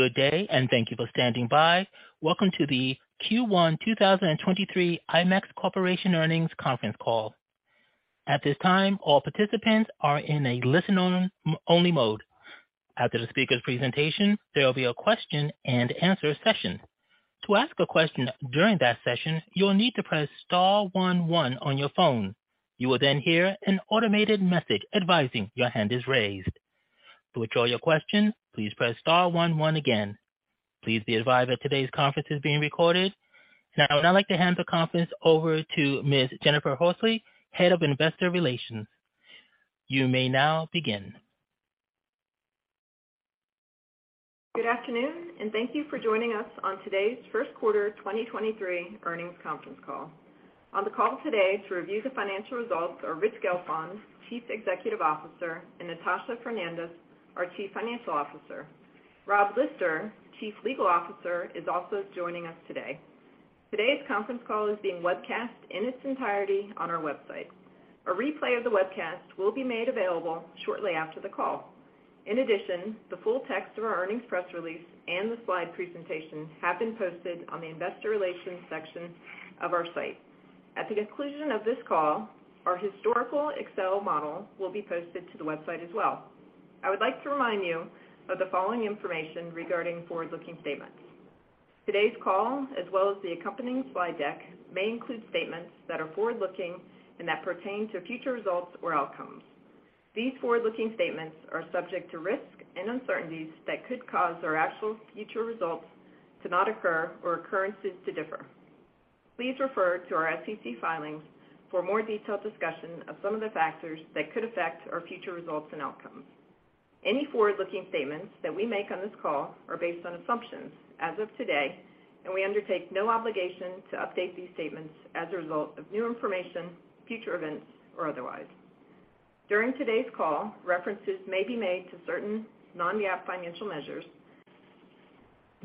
Good day. Thank you for standing by. Welcome to the Q1 2023 IMAX Corporation Earnings Conference Call. At this time, all participants are in a listen-only mode. After the speaker's presentation, there will be a question-and-answer session. To ask a question during that session, you will need to press star one one one your phone. You will hear an automated message advising your hand is raised. To withdraw your question, please press star one one again. Please be advised that today's conference is being recorded. I would now like to hand the conference over to Ms. Jennifer Horsley, Head of Investor Relations. You may now begin. Good afternoon, and thank you for joining us on today's first quarter 2023 earnings conference call. On the call today to review the financial results are Rich Gelfond, Chief Executive Officer, and Natasha Fernandes, our Chief Financial Officer. Robert Lister, Chief Legal Officer, is also joining us today. Today's conference call is being webcast in its entirety on our website. A replay of the webcast will be made available shortly after the call. In addition, the full text of our earnings press release and the slide presentation have been posted on the investor relations section of our site. At the conclusion of this call, our historical Excel model will be posted to the website as well. I would like to remind you of the following information regarding forward-looking statements. Today's call, as well as the accompanying slide deck, may include statements that are forward-looking and that pertain to future results or outcomes. These forward-looking statements are subject to risks and uncertainties that could cause our actual future results to not occur or occurrences to differ. Please refer to our SEC filings for a more detailed discussion of some of the factors that could affect our future results and outcomes. Any forward-looking statements that we make on this call are based on assumptions as of today, and we undertake no obligation to update these statements as a result of new information, future events, or otherwise. During today's call, references may be made to certain Non-GAAP financial measures.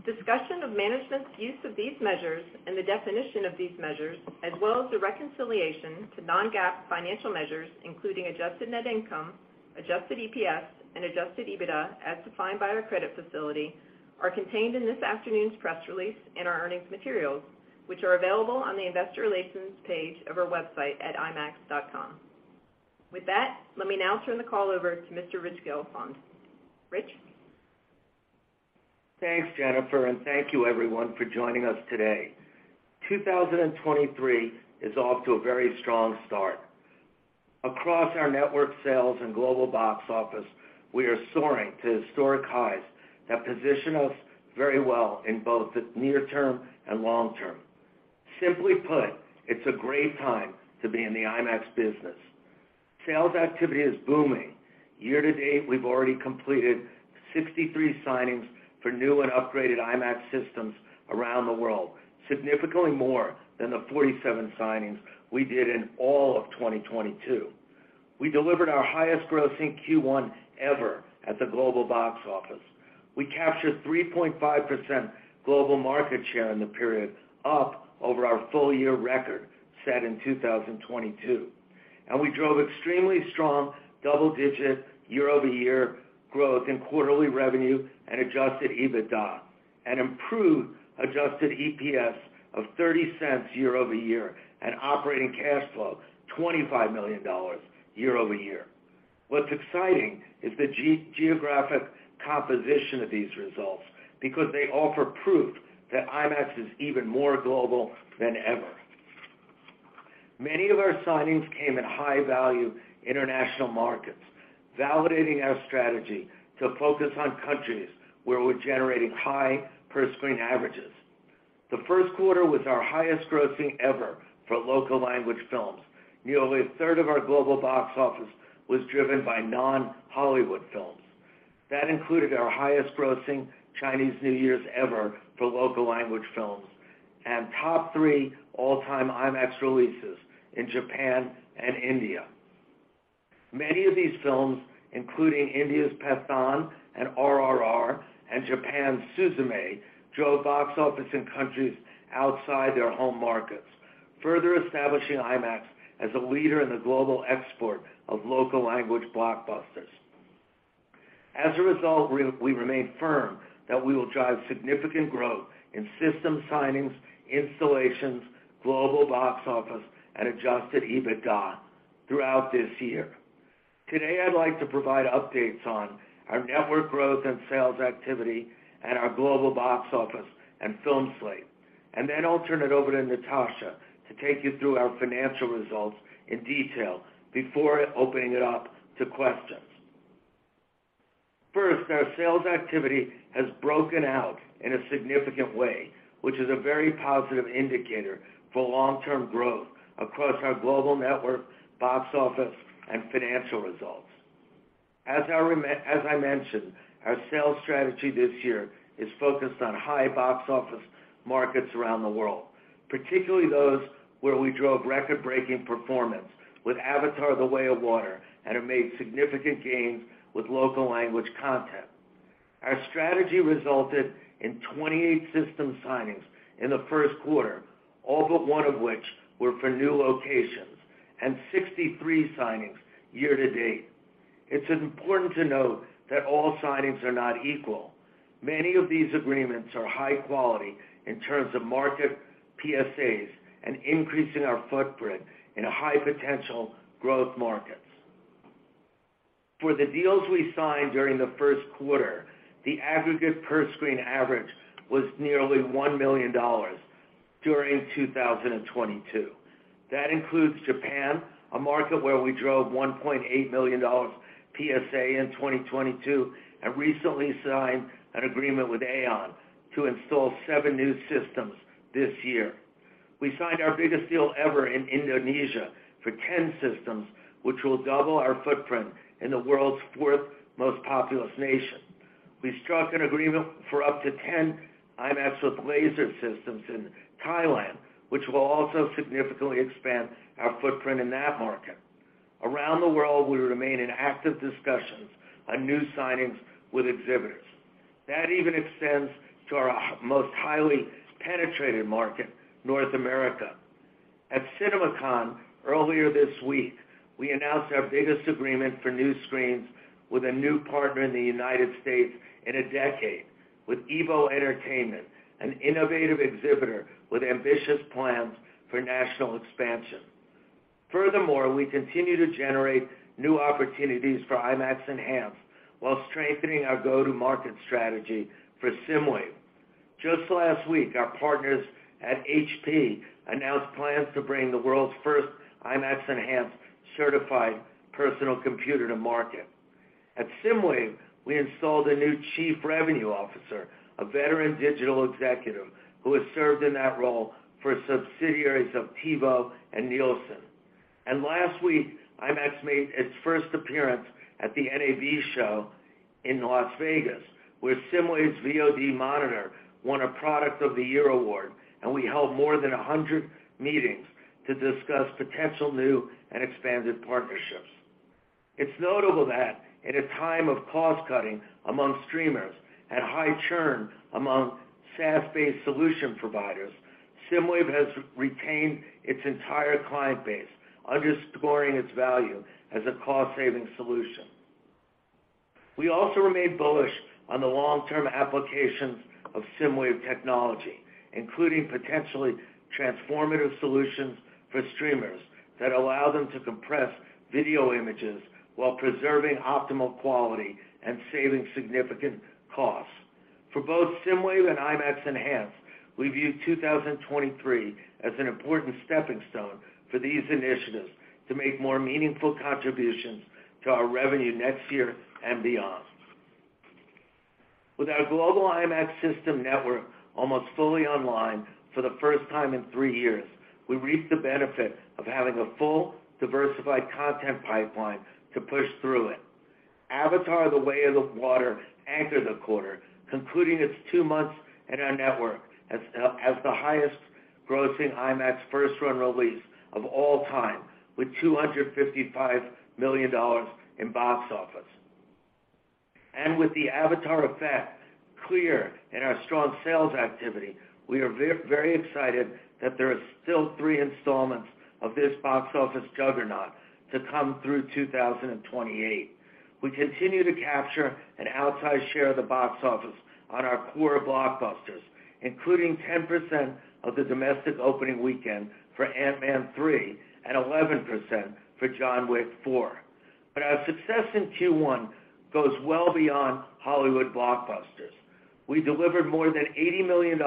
Discussion of management's use of these measures and the definition of these measures, as well as the reconciliation to Non-GAAP financial measures, including adjusted net income, adjusted EPS, and adjusted EBITDA as defined by our credit facility, are contained in this afternoon's press release and our earnings materials, which are available on the investor relations page of our website at imax.com. With that, let me now turn the call over to Mr. Rich Gelfond. Rich. Thanks, Jennifer, and thank you everyone for joining us today. 2023 is off to a very strong start. Across our network sales and global box office, we are soaring to historic highs that position us very well in both the near-term and long-term. Simply put, it's a great time to be in the IMAX business. Sales activity is booming. Year-to-date, we've already completed 63 signings for new and upgraded IMAX systems around the world, significantly more than the 47 signings we did in all of 2022. We delivered our highest grossing Q1 ever at the global box office. We captured 3.5% global market share in the period, up over our full-year record set in 2022. We drove extremely strong double-digit year-over-year growth in quarterly revenue and adjusted EBITDA and improved adjusted EPS of $0.30 year-over-year and operating cash flow $25 million year-over-year. What's exciting is the geographic composition of these results because they offer proof that IMAX is even more global than ever. Many of our signings came at high-value international markets, validating our strategy to focus on countries where we're generating high per-screen averages. The first quarter was our highest grossing ever for local language films. Nearly a third of our global box office was driven by non-Hollywood films. That included our highest grossing Chinese New Year ever for local language films and top 3 all-time IMAX releases in Japan and India. Many of these films, including India's Pathaan and RRR and Japan's Suzume, drove box office in countries outside their home markets, further establishing IMAX as a leader in the global export of local language blockbusters. As a result, we remain firm that we will drive significant growth in system signings, installations, global box office, and adjusted EBITDA throughout this year. Today, I'd like to provide updates on our network growth and sales activity and our global box office and film slate. I'll turn it over to Natasha to take you through our financial results in detail before opening it up to questions. First, our sales activity has broken out in a significant way, which is a very positive indicator for long-term growth across our global network, box office, and financial results. As I mentioned, our sales strategy this year is focused on high box office markets around the world, particularly those where we drove record-breaking performance with Avatar: The Way of Water and have made significant gains with local language content. Our strategy resulted in 28 system signings in the first quarter, all but one of which were for new locations, and 63 signings year-to-date. It's important to note that all signings are not equal. Many of these agreements are high quality in terms of market PSAs and increasing our footprint in high potential growth markets. For the deals we signed during the first quarter, the aggregate per screen average was nearly $1 million during 2022. That includes Japan, a market where we drove $1.8 million PSA in 2022, and recently signed an agreement with AEON to install seven new systems this year. We signed our biggest deal ever in Indonesia for 10 systems, which will double our footprint in the world's fourth most populous nation. We struck an agreement for up to 10 IMAX with Laser systems in Thailand, which will also significantly expand our footprint in that market. Around the world, we remain in active discussions on new signings with exhibitors. That even extends to our most highly penetrated market, North America. At CinemaCon earlier this week, we announced our biggest agreement for new screens with a new partner in the United States in a decade with EVO Entertainment, an innovative exhibitor with ambitious plans for national expansion. Furthermore, we continue to generate new opportunities for IMAX Enhanced, while strengthening our go-to-market strategy for SSIMWAVE. Just last week, our partners at HP announced plans to bring the world's first IMAX Enhanced certified personal computer to market. At SSIMWAVE, we installed a new chief revenue officer, a veteran digital executive who has served in that role for subsidiaries of TiVo and Nielsen. And last week, IMAX made its first appearance at the NAB show in Las Vegas, where SSIMWAVE's VOD Monitor won a product of the year award, and we held more than 100 meetings to discuss potential new and expanded partnerships. It's notable that in a time of cost-cutting among streamers and high churn among SaaS-based solution providers, SSIMWAVE has retained its entire client base, underscoring its value as a cost-saving solution. We also remain bullish on the long-term applications of SSIMWAVE technology, including potentially transformative solutions for streamers that allow them to compress video images while preserving optimal quality and saving significant costs. For both SSIMWAVE and IMAX Enhanced, we view 2023 as an important stepping stone for these initiatives to make more meaningful contributions to our revenue next year and beyond. With our global IMAX system network almost fully online for the first time in three years, we reaped the benefit of having a full, diversified content pipeline to push through it. Avatar: The Way of Water anchored the quarter, concluding its two months in our network as the highest grossing IMAX first-run release of all time, with $255 million in box office. With the Avatar effect clear in our strong sales activity, we are very excited that there are still three installments of this box office juggernaut to come through 2028. We continue to capture an outsized share of the box office on our core blockbusters, including 10% of the domestic opening weekend for Ant-Man 3 and 11% for John Wick 4. Our success in Q1 goes well beyond Hollywood blockbusters. We delivered more than $80 million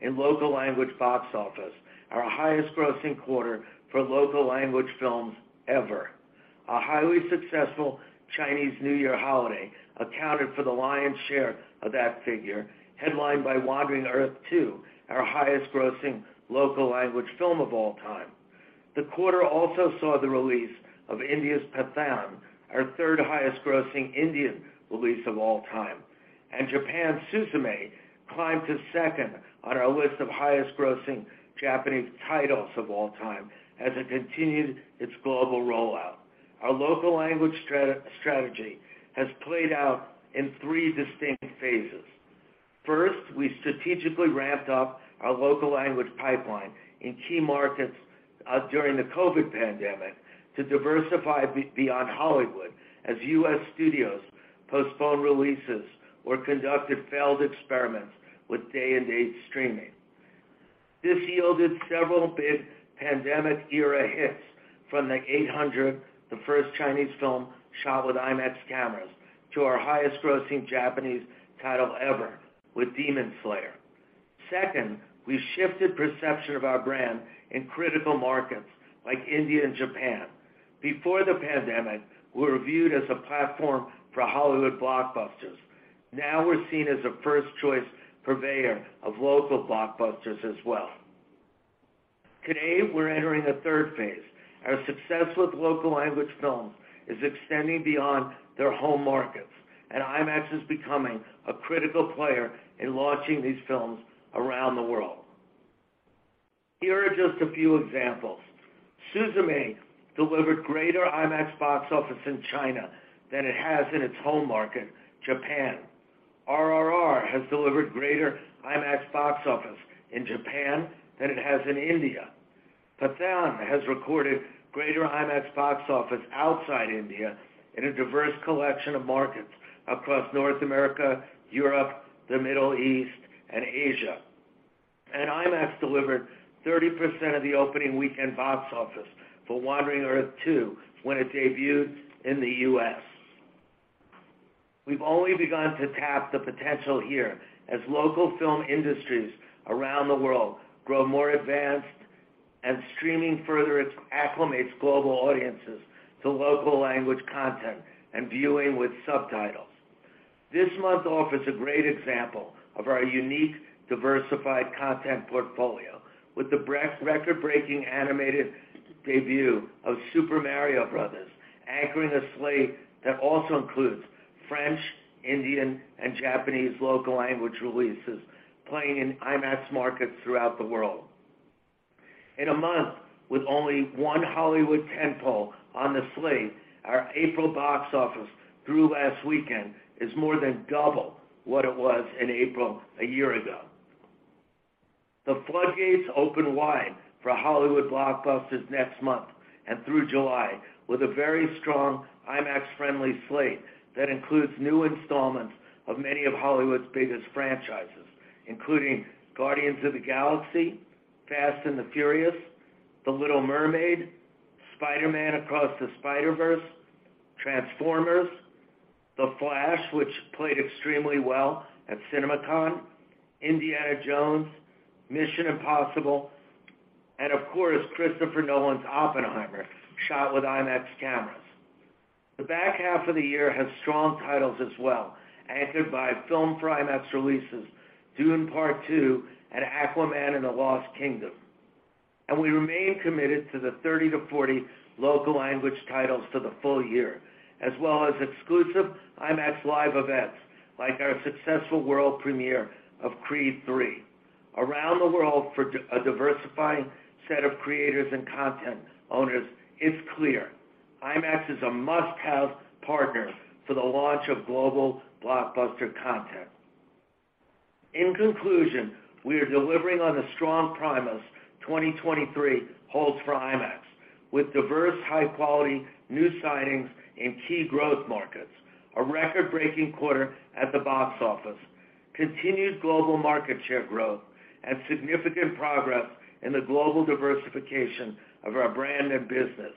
in local language box office, our highest grossing quarter for local language films ever. A highly successful Chinese New Year holiday accounted for the lion's share of that figure, headlined by Wandering Earth 2, our highest grossing local language film of all time. The quarter also saw the release of India's Pathaan, our third highest grossing Indian release of all time. Japan's Suzume climbed to second on our list of highest grossing Japanese titles of all time as it continued its global rollout. Our local language strategy has played out in three distinct phases. First, we strategically ramped up our local language pipeline in key markets during the COVID pandemic to diversify beyond Hollywood as U.S. studios postponed releases or conducted failed experiments with day and date streaming. This yielded several big pandemic-era hits from The Eight Hundred, the first Chinese film shot with IMAX cameras, to our highest grossing Japanese title ever with Demon Slayer. Second, we shifted perception of our brand in critical markets like India and Japan. Before the pandemic, we were viewed as a platform for Hollywood blockbusters. Now we're seen as a first-choice purveyor of local blockbusters as well. Today, we're entering the third phase. Our success with local language films is extending beyond their home markets, IMAX is becoming a critical player in launching these films around the world. Here are just a few examples. Suzume delivered greater IMAX box office in China than it has in its home market, Japan. RRR has delivered greater IMAX box office in Japan than it has in India. Pathaan has recorded greater IMAX box office outside India in a diverse collection of markets across North America, Europe, the Middle East, and Asia. IMAX delivered 30% of the opening weekend box office for Wandering Earth 2 when it debuted in the US. We've only begun to tap the potential here as local film industries around the world grow more advanced and streaming further acclimates global audiences to local language content and viewing with subtitles. This month offers a great example of our unique, diversified content portfolio with the record-breaking animated debut of Super Mario Brothers anchoring a slate that also includes French, Indian, and Japanese local language releases playing in IMAX markets throughout the world. In a month with only one Hollywood tentpole on the slate, our April box office through last weekend is more than double what it was in April a year ago. The floodgates open wide for Hollywood blockbusters next month and through July with a very strong IMAX-friendly slate that includes new installments of many of Hollywood's biggest franchises, including Guardians of the Galaxy, Fast and the Furious, The Little Mermaid, Spider-Man Across the Spider-Verse, Transformers, The Flash, which played extremely well at CinemaCon, Indiana Jones, Mission Impossible, and of course, Christopher Nolan's Oppenheimer, shot with IMAX cameras. The back half of the year has strong titles as well, anchored by film IMAX releases Dune: Part Two and Aquaman and the Lost Kingdom. We remain committed to the 30 to 40 local language titles for the full year, as well as exclusive IMAX Live events like our successful world premiere of Creed III. Around the world for a diversifying set of creators and content owners, it's clear IMAX is a must-have partner for the launch of global blockbuster content. In conclusion, we are delivering on the strong promise 2023 holds for IMAX with diverse, high-quality new signings in key growth markets, a record-breaking quarter at the box office, continued global market share growth, and significant progress in the global diversification of our brand and business.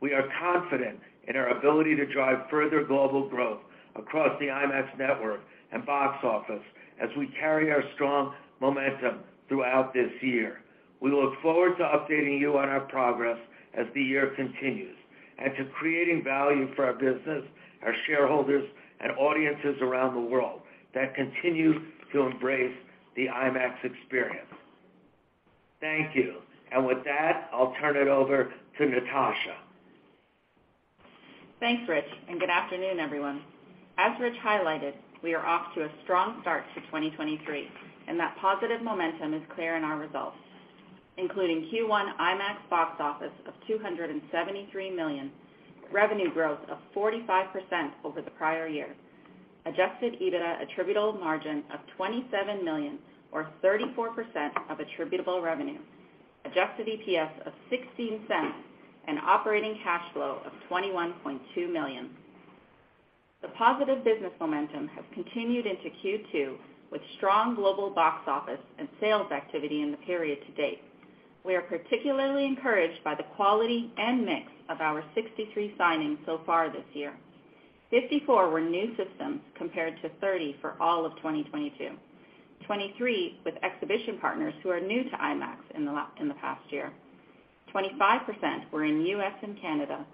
We are confident in our ability to drive further global growth across the IMAX network and box office as we carry our strong momentum throughout this year. We look forward to updating you on our progress as the year continues and to creating value for our business, our shareholders, and audiences around the world that continue to embrace the IMAX experience. Thank you. With that, I'll turn it over to Natasha. Thanks, Rich, and good afternoon, everyone. As Rich highlighted, we are off to a strong start to 2023, and that positive momentum is clear in our results, including Q1 IMAX box office of $273 million, revenue growth of 45% over the prior year, adjusted EBITDA attributable margin of $27 million or 34% of attributable revenue, adjusted EPS of $0.16, and operating cash flow of $21.2 million. The positive business momentum has continued into Q2 with strong global box office and sales activity in the period to date. We are particularly encouraged by the quality and mix of our 63 signings so far this year. 54 were new systems compared to 30 for all of 2022. 23 with exhibition partners who are new to IMAX in the past year. 25% were in U.S. and Canada,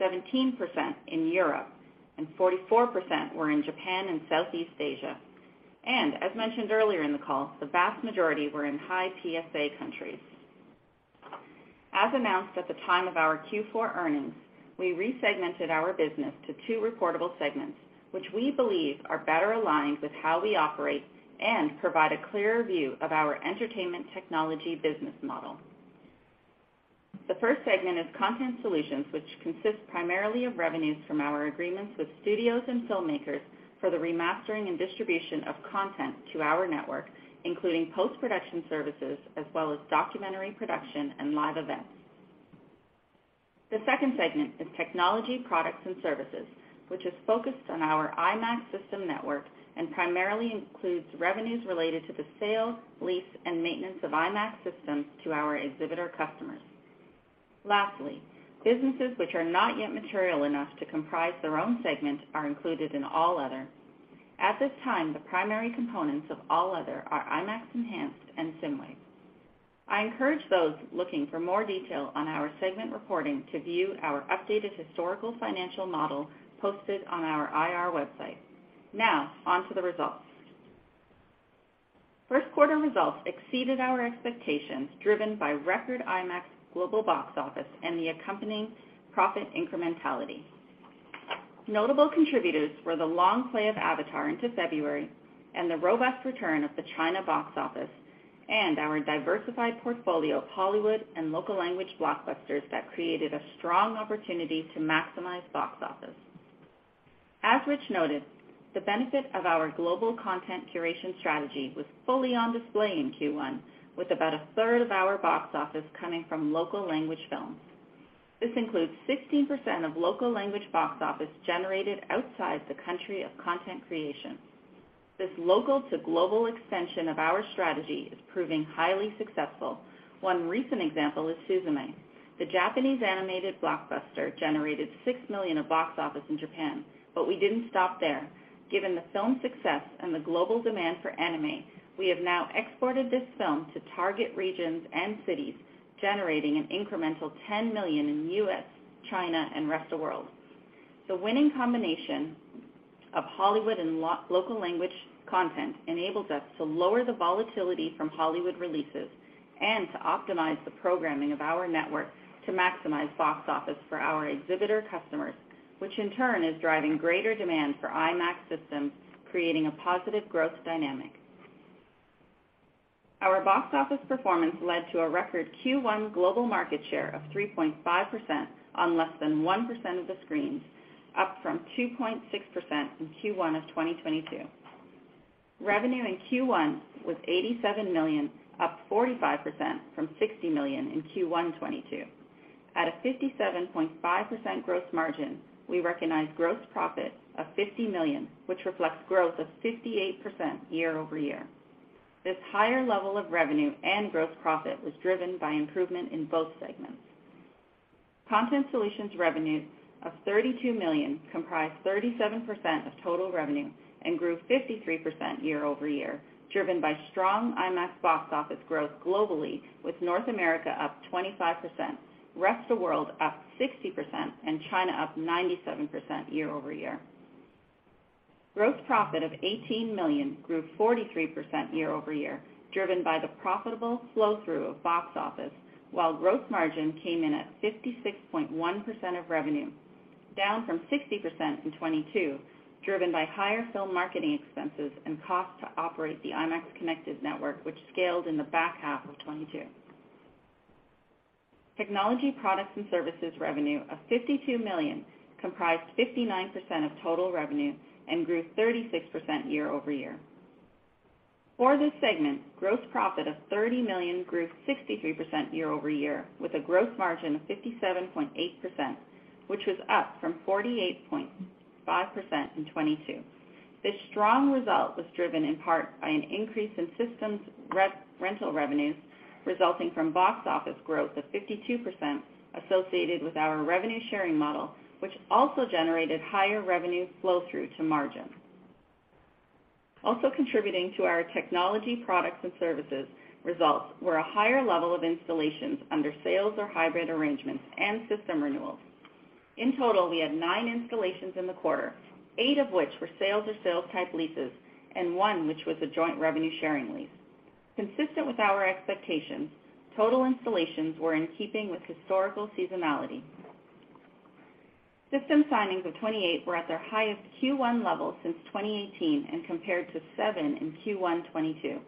17% in Europe, 44% were in Japan and Southeast Asia. As mentioned earlier in the call, the vast majority were in high PSA countries. As announced at the time of our Q4 earnings, we resegmented our business to two reportable segments, which we believe are better aligned with how we operate and provide a clearer view of our entertainment technology business model. The first segment is Content Solutions, which consists primarily of revenues from our agreements with studios and filmmakers for the remastering and distribution of content to our network, including post-production services as well as documentary production and live events. The second segment is Technology Products and Services, which is focused on our IMAX system network and primarily includes revenues related to the sale, lease, and maintenance of IMAX systems to our exhibitor customers. Lastly, businesses which are not yet material enough to comprise their own segment are included in all other. At this time, the primary components of all other are IMAX Enhanced and SSIMWAVE. I encourage those looking for more detail on our segment reporting to view our updated historical financial model posted on our IR website. Now on to the results. First quarter results exceeded our expectations, driven by record IMAX global box office and the accompanying profit incrementality. Notable contributors were the long play of Avatar into February and the robust return of the China box office and our diversified portfolio of Hollywood and local language blockbusters that created a strong opportunity to maximize box office. As Rich noted, the benefit of our global content curation strategy was fully on display in Q1, with about a third of our box office coming from local language films. This includes 16% of local language box office generated outside the country of content creation. This local to global expansion of our strategy is proving highly successful. One recent example is Suzume. The Japanese animated blockbuster generated $6 million of box office in Japan, we didn't stop there. Given the film's success and the global demand for anime, we have now exported this film to target regions and cities, generating an incremental $10 million in U.S., China, and rest of world. The winning combination of Hollywood and local language content enables us to lower the volatility from Hollywood releases and to optimize the programming of our network to maximize box office for our exhibitor customers, which in turn is driving greater demand for IMAX systems, creating a positive growth dynamic. Our box office performance led to a record Q1 global market share of 3.5% on less than 1% of the screens, up from 2.6% in Q1 of 2022. Revenue in Q1 was $87 million, up 45% from $60 million in Q1 2022. At a 57.5% gross margin, we recognized gross profit of $50 million, which reflects growth of 58% year-over-year. This higher level of revenue and gross profit was driven by improvement in both segments. Content Solutions revenue of $32 million comprised 37% of total revenue and grew 53% year-over-year, driven by strong IMAX box office growth globally with North America up 25%, rest of world up 60%, and China up 97% year-over-year. Gross profit of $18 million grew 43% year-over-year, driven by the profitable flow through of box office while gross margin came in at 56.1% of revenue, down from 60% in 2022, driven by higher film marketing expenses and cost to operate the IMAX Connected Network, which scaled in the back half of 2022. Technology Products and Services revenue of $52 million comprised 59% of total revenue and grew 36% year-over-year. For this segment, gross profit of $30 million grew 63% year-over-year with a gross margin of 57.8%, which was up from 48.5% in 2022. This strong result was driven in part by an increase in systems re-rental revenues resulting from box office growth of 52% associated with our revenue-sharing model, which also generated higher revenue flow through to margin. Also contributing to our Technology Products and Services results were a higher level of installations under sales or hybrid arrangements and system renewals. In total, we had nine installations in the quarter, eight of which were sales or sales type leases, and one which was a joint revenue-sharing lease. Consistent with our expectations, total installations were in keeping with historical seasonality. System signings of 28 were at their highest Q1 level since 2018 and compared to seven in Q1 2022.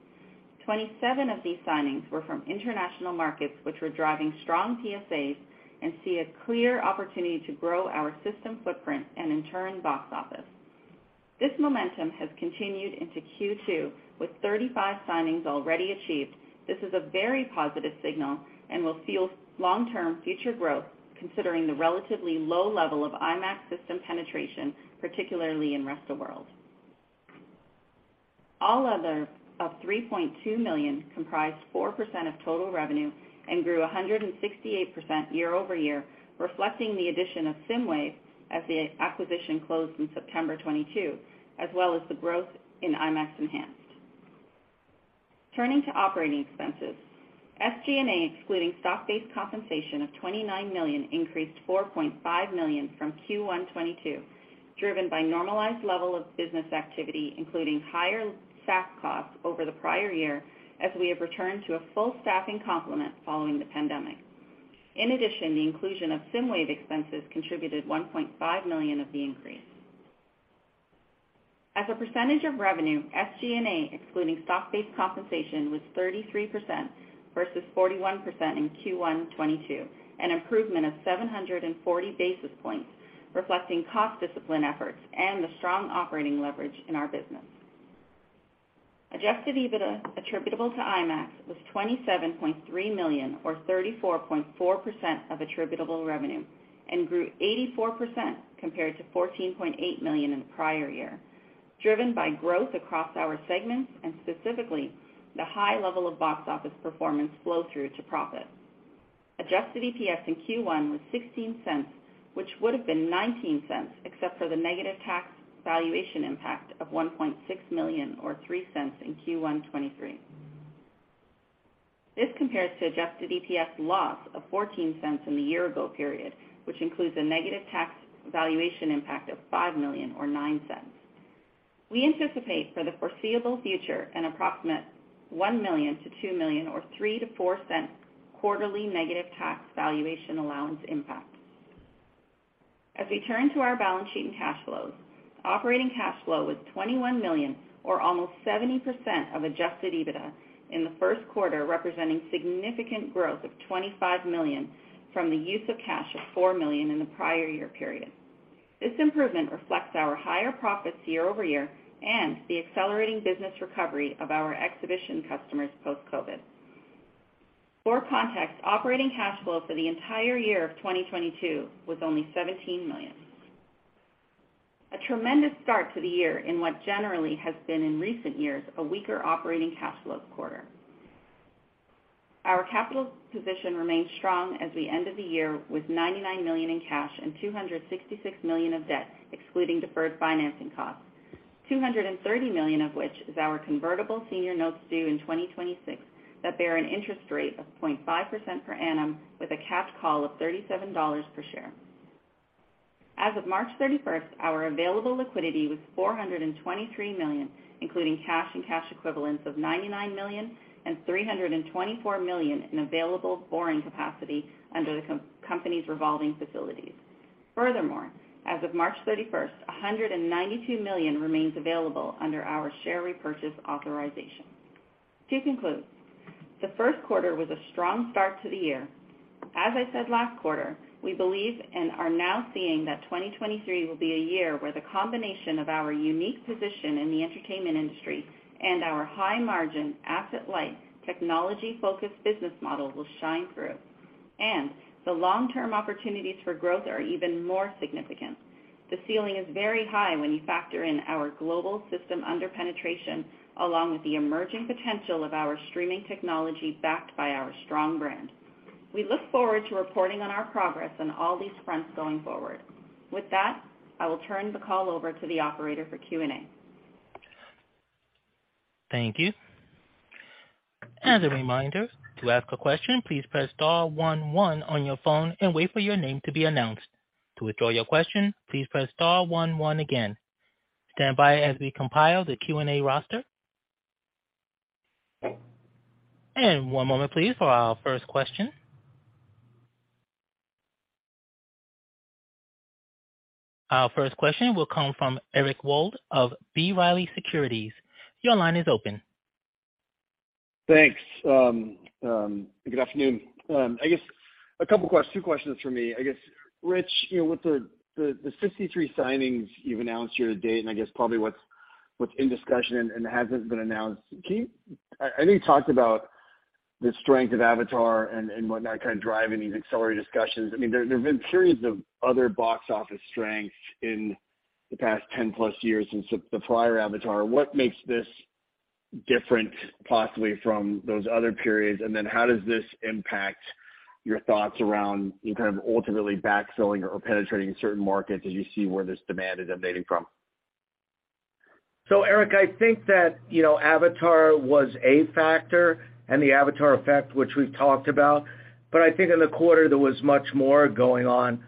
27 of these signings were from international markets which were driving strong PSAs and see a clear opportunity to grow our system footprint and in turn, box office. This momentum has continued into Q2 with 35 signings already achieved. This is a very positive signal and will seal long-term future growth considering the relatively low level of IMAX system penetration, particularly in rest of world. All other of $3.2 million comprised 4% of total revenue and grew 168% year-over-year, reflecting the addition of SSIMWAVE as the acquisition closed in September 2022, as well as the growth in IMAX Enhanced. Turning to operating expenses. SG&A, excluding stock-based compensation of $29 million increased $4.5 million from Q1 2022, driven by normalized level of business activity, including higher staff costs over the prior year as we have returned to a full staffing complement following the pandemic. In addition, the inclusion of SSIMWAVE expenses contributed $1.5 million of the increase. As a percentage of revenue, SG&A, excluding stock-based compensation, was 33% versus 41% in Q1 2022, an improvement of 740 basis points, reflecting cost discipline efforts and the strong operating leverage in our business. Adjusted EBITDA attributable to IMAX was $27.3 million or 34.4% of attributable revenue and grew 84% compared to $14.8 million in the prior year, driven by growth across our segments and specifically the high level of box office performance flow through to profit. Adjusted EPS in Q1 was $0.16, which would have been $0.19 except for the negative tax valuation impact of $1.6 million or $0.03 in Q1 2023. This compares to adjusted EPS loss of $0.14 in the year ago period, which includes a negative tax valuation impact of $5 million or $0.09. We anticipate for the foreseeable future an approximate $1 million-$2 million or $0.03-$0.04 quarterly negative tax valuation allowance impact. As we turn to our balance sheet and cash flows, operating cash flow was $21 million or almost 70% of adjusted EBITDA in the first quarter, representing significant growth of $25 million from the use of cash of $4 million in the prior year period. This improvement reflects our higher profits year-over-year and the accelerating business recovery of our exhibition customers post-COVID. For context, operating cash flow for the entire year of 2022 was only $17 million. A tremendous start to the year in what generally has been in recent years a weaker operating cash flow quarter. Our capital position remains strong as the end of the year with $99 million in cash and $266 million of debt, excluding deferred financing costs. $230 million of which is our convertible senior notes due in 2026 that bear an interest rate of 0.5% per annum with a cash call of $37 per share. As of March 31st, our available liquidity was $423 million, including cash and cash equivalents of $99 million and $324 million in available borrowing capacity under the company's revolving facilities. Furthermore, as of March 31st, $192 million remains available under our share repurchase authorization. To conclude, the first quarter was a strong start to the year. As I said last quarter, we believe and are now seeing that 2023 will be a year where the combination of our unique position in the entertainment industry and our high margin, asset-light, technology-focused business model will shine through. The long-term opportunities for growth are even more significant. The ceiling is very high when you factor in our global system under penetration, along with the emerging potential of our streaming technology backed by our strong brand. We look forward to reporting on our progress on all these fronts going forward. With that, I will turn the call over to the operator for Q&A. Thank you. As a reminder, to ask a question, please press star one one on your phone and wait for your name to be announced. To withdraw your question, please press star one one again. Stand by as we compile the Q&A roster. One moment please for our first question. Our first question will come from Eric Wold of B. Riley Securities. Your line is open. Thanks. Good afternoon. I guess a couple questions, two questions from me. I guess, Rich, you know, with the 63 signings you've announced year to date, and I guess probably what's in discussion and hasn't been announced, I know you talked about the strength of Avatar and whatnot kind of driving these accelerated discussions. I mean, there have been periods of other box office strengths in the past 10 plus years since the prior Avatar. What makes this different, possibly, from those other periods? How does this impact your thoughts around you kind of ultimately backfilling or penetrating certain markets as you see where this demand is emanating from? Eric, I think that, you know, Avatar was a factor and the Avatar effect, which we've talked about, but I think in the quarter, there was much more going on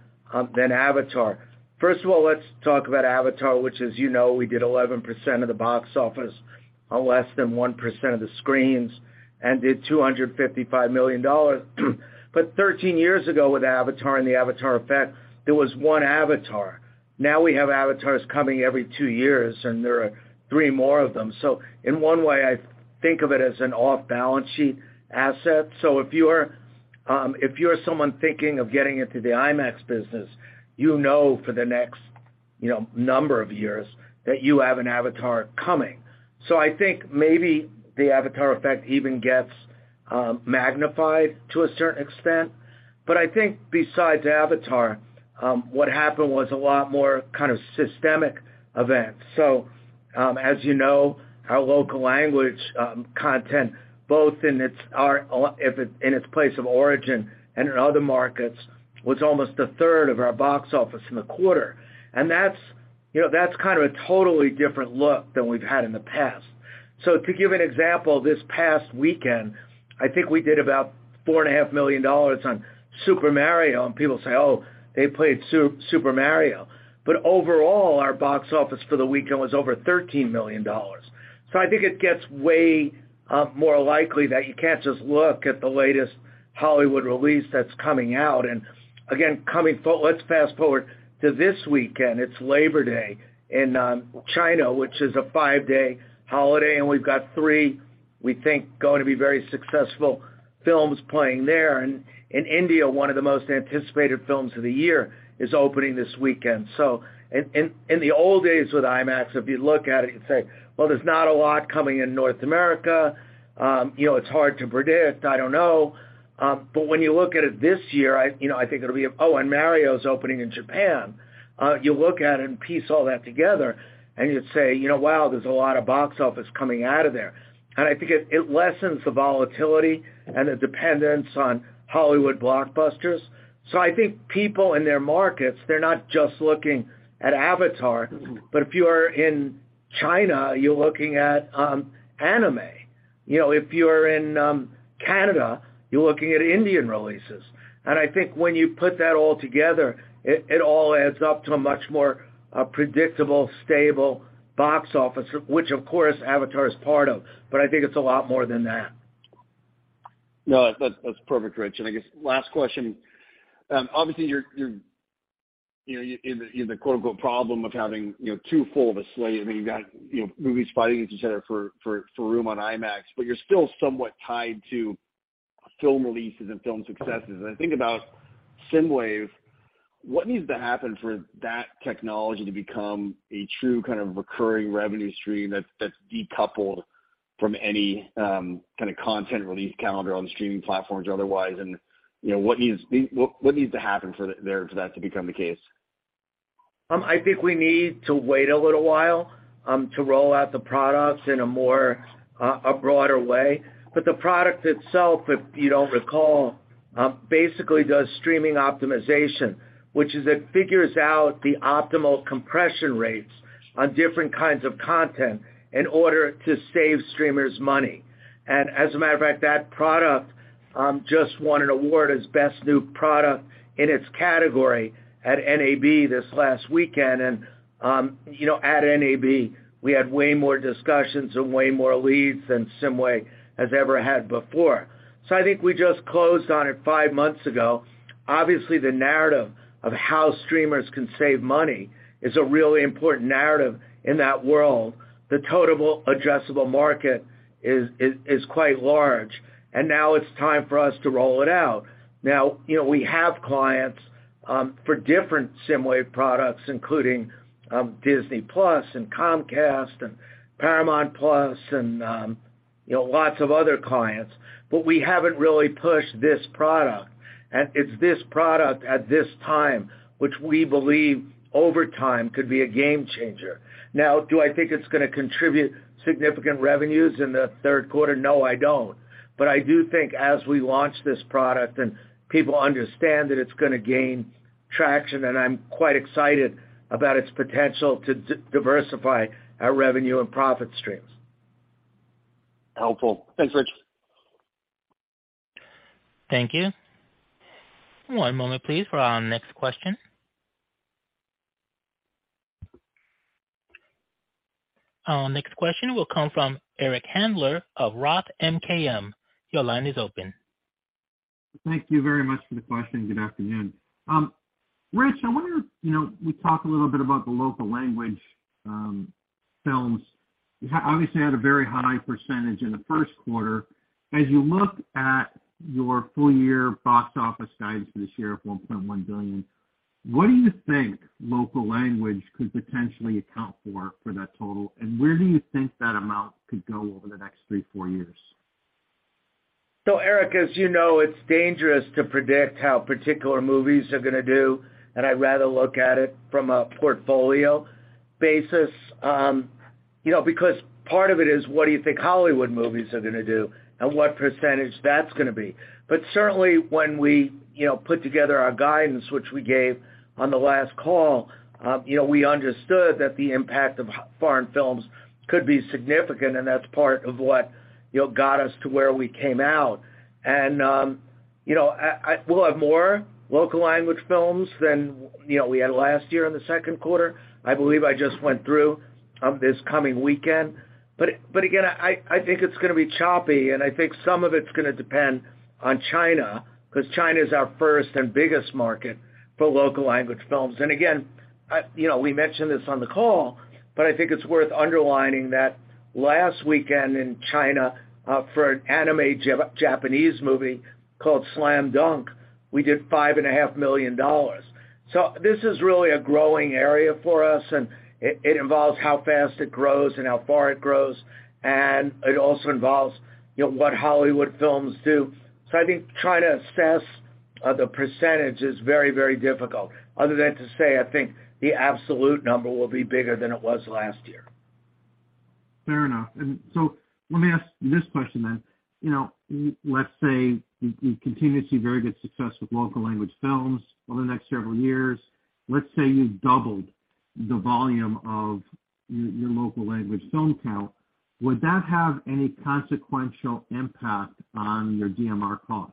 than Avatar. First of all, let's talk about Avatar, which as you know, we did 11% of the box office on less than 1% of the screens and did $255 million. 13 years ago with Avatar and the Avatar effect, there was 1 Avatar. Now we have Avatars coming every two years, and there are three more of them. In one way, I think of it as an off-balance sheet asset. If you're, if you're someone thinking of getting into the IMAX business, you know for the next, you know, number of years that you have an Avatar coming. I think maybe the Avatar effect even gets magnified to a certain extent. I think besides Avatar, what happened was a lot more kind of systemic event. As you know, our local language content, both if it's in its place of origin and in other markets, was almost a third of our box office in the quarter. That's, you know, that's kind of a totally different look than we've had in the past. To give an example, this past weekend, I think we did about $4.5 million on Super Mario, and people say, "Oh, they played Super Mario." Overall, our box office for the weekend was over $13 million. I think it gets way more likely that you can't just look at the latest Hollywood release that's coming out. Again, let's fast-forward to this weekend. It's Labor Day in China, which is a 5-day holiday, and we've got 3, we think, going to be very successful films playing there. In India, one of the most anticipated films of the year is opening this weekend. In the old days with IMAX, if you look at it, you'd say, "Well, there's not a lot coming in North America. You know, it's hard to predict. I don't know." When you look at it this year, I, you know, I think it'll be and Mario's opening in Japan. You look at it and piece all that together, and you'd say, "You know, wow, there's a lot of box office coming out of there." I think it lessens the volatility and the dependence on Hollywood blockbusters. I think people in their markets, they're not just looking at Avatar. If you are in China, you're looking at, anime. You know, if you're in Canada, you're looking at Indian releases. I think when you put that all together, it all adds up to a much more predictable, stable box office, which of course, Avatar is part of, but I think it's a lot more than that. No, that's perfect, Rich. I guess last question. Obviously you're, you know, you have the "problem" of having, you know, too full of a slate. I mean, you've got, you know, movies fighting each other for room on IMAX, but you're still somewhat tied to film releases and film successes. I think about SSIMWAVE. What needs to happen for that technology to become a true kind of recurring revenue stream that's decoupled from any kind of content release calendar on the streaming platforms or otherwise? You know, what needs to happen for there for that to become the case? I think we need to wait a little while to roll out the products in a more, a broader way. The product itself, if you don't recall, basically does streaming optimization, which is, it figures out the optimal compression rates on different kinds of content in order to save streamers money. As a matter of fact, that product just won an award as best new product in its category at NAB this last weekend. You know, at NAB, we had way more discussions and way more leads than SSIMWAVE has ever had before. I think we just closed on it five months ago. Obviously, the narrative of how streamers can save money is a really important narrative in that world. The total addressable market is quite large, and now it's time for us to roll it out. You know, we have clients for different SSIMWAVE products, including Disney+ and Comcast and Paramount+, you know, lots of other clients, but we haven't really pushed this product. It's this product at this time, which we believe over time could be a game changer. Do I think it's gonna contribute significant revenues in the third quarter? No, I don't. I do think as we launch this product and people understand that it's gonna gain traction, and I'm quite excited about its potential to diversify our revenue and profit streams. Helpful. Thanks, Rich. Thank you. One moment, please, for our next question. Our next question will come from Eric Handler of Roth MKM. Your line is open. Thank you very much for the question. Good afternoon. Rich, I wonder, you know, we talked a little bit about the local language films. You obviously had a very high percentage in the first quarter. As you look at your full year box office guidance for this year of $1.1 billion, what do you think local language could potentially account for that total? Where do you think that amount could go over the next three four years? Eric, as you know, it's dangerous to predict how particular movies are gonna do, and I'd rather look at it from a portfolio basis. You know, because part of it is what do you think Hollywood movies are gonna do, and what percentage that's gonna be. Certainly when we, you know, put together our guidance, which we gave on the last call, you know, we understood that the impact of foreign films could be significant, and that's part of what, you know, got us to where we came out. You know, we'll have more local language films than, you know, we had last year in the second quarter. I believe I just went through, this coming weekend. Again, I think it's gonna be choppy, and I think some of it's gonna depend on China, 'cause China's our first and biggest market for local language films. Again, you know, we mentioned this on the call, but I think it's worth underlining that last weekend in China, for an anime Japanese movie called Slam Dunk, we did $5.5 million. This is really a growing area for us, and it involves how fast it grows and how far it grows, and it also involves, you know, what Hollywood films do. I think trying to assess the percentage is very, very difficult other than to say I think the absolute number will be bigger than it was last year. Fair enough. Let me ask this question then. You know, let's say you continue to see very good success with local language films over the next several years. Let's say you've doubled the volume of your local language film count. Would that have any consequential impact on your DMR costs?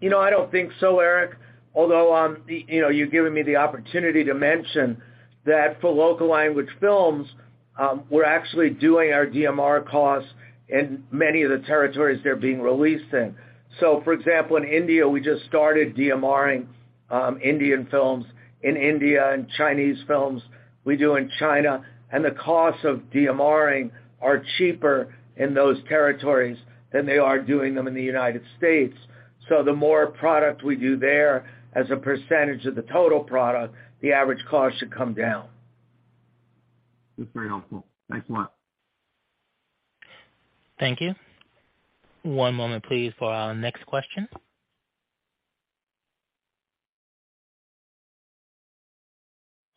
you know, I don't think so, Eric. you know, you've given me the opportunity to mention that for local language films, we're actually doing our DMR costs in many of the territories they're being released in. For example, in India, we just started DMR-ing, Indian films in India and Chinese films we do in China. The costs of DMR-ing are cheaper in those territories than they are doing them in the United States. The more product we do there as a percentage of the total product, the average cost should come down. That's very helpful. Thanks a lot. Thank you. One moment, please, for our next question.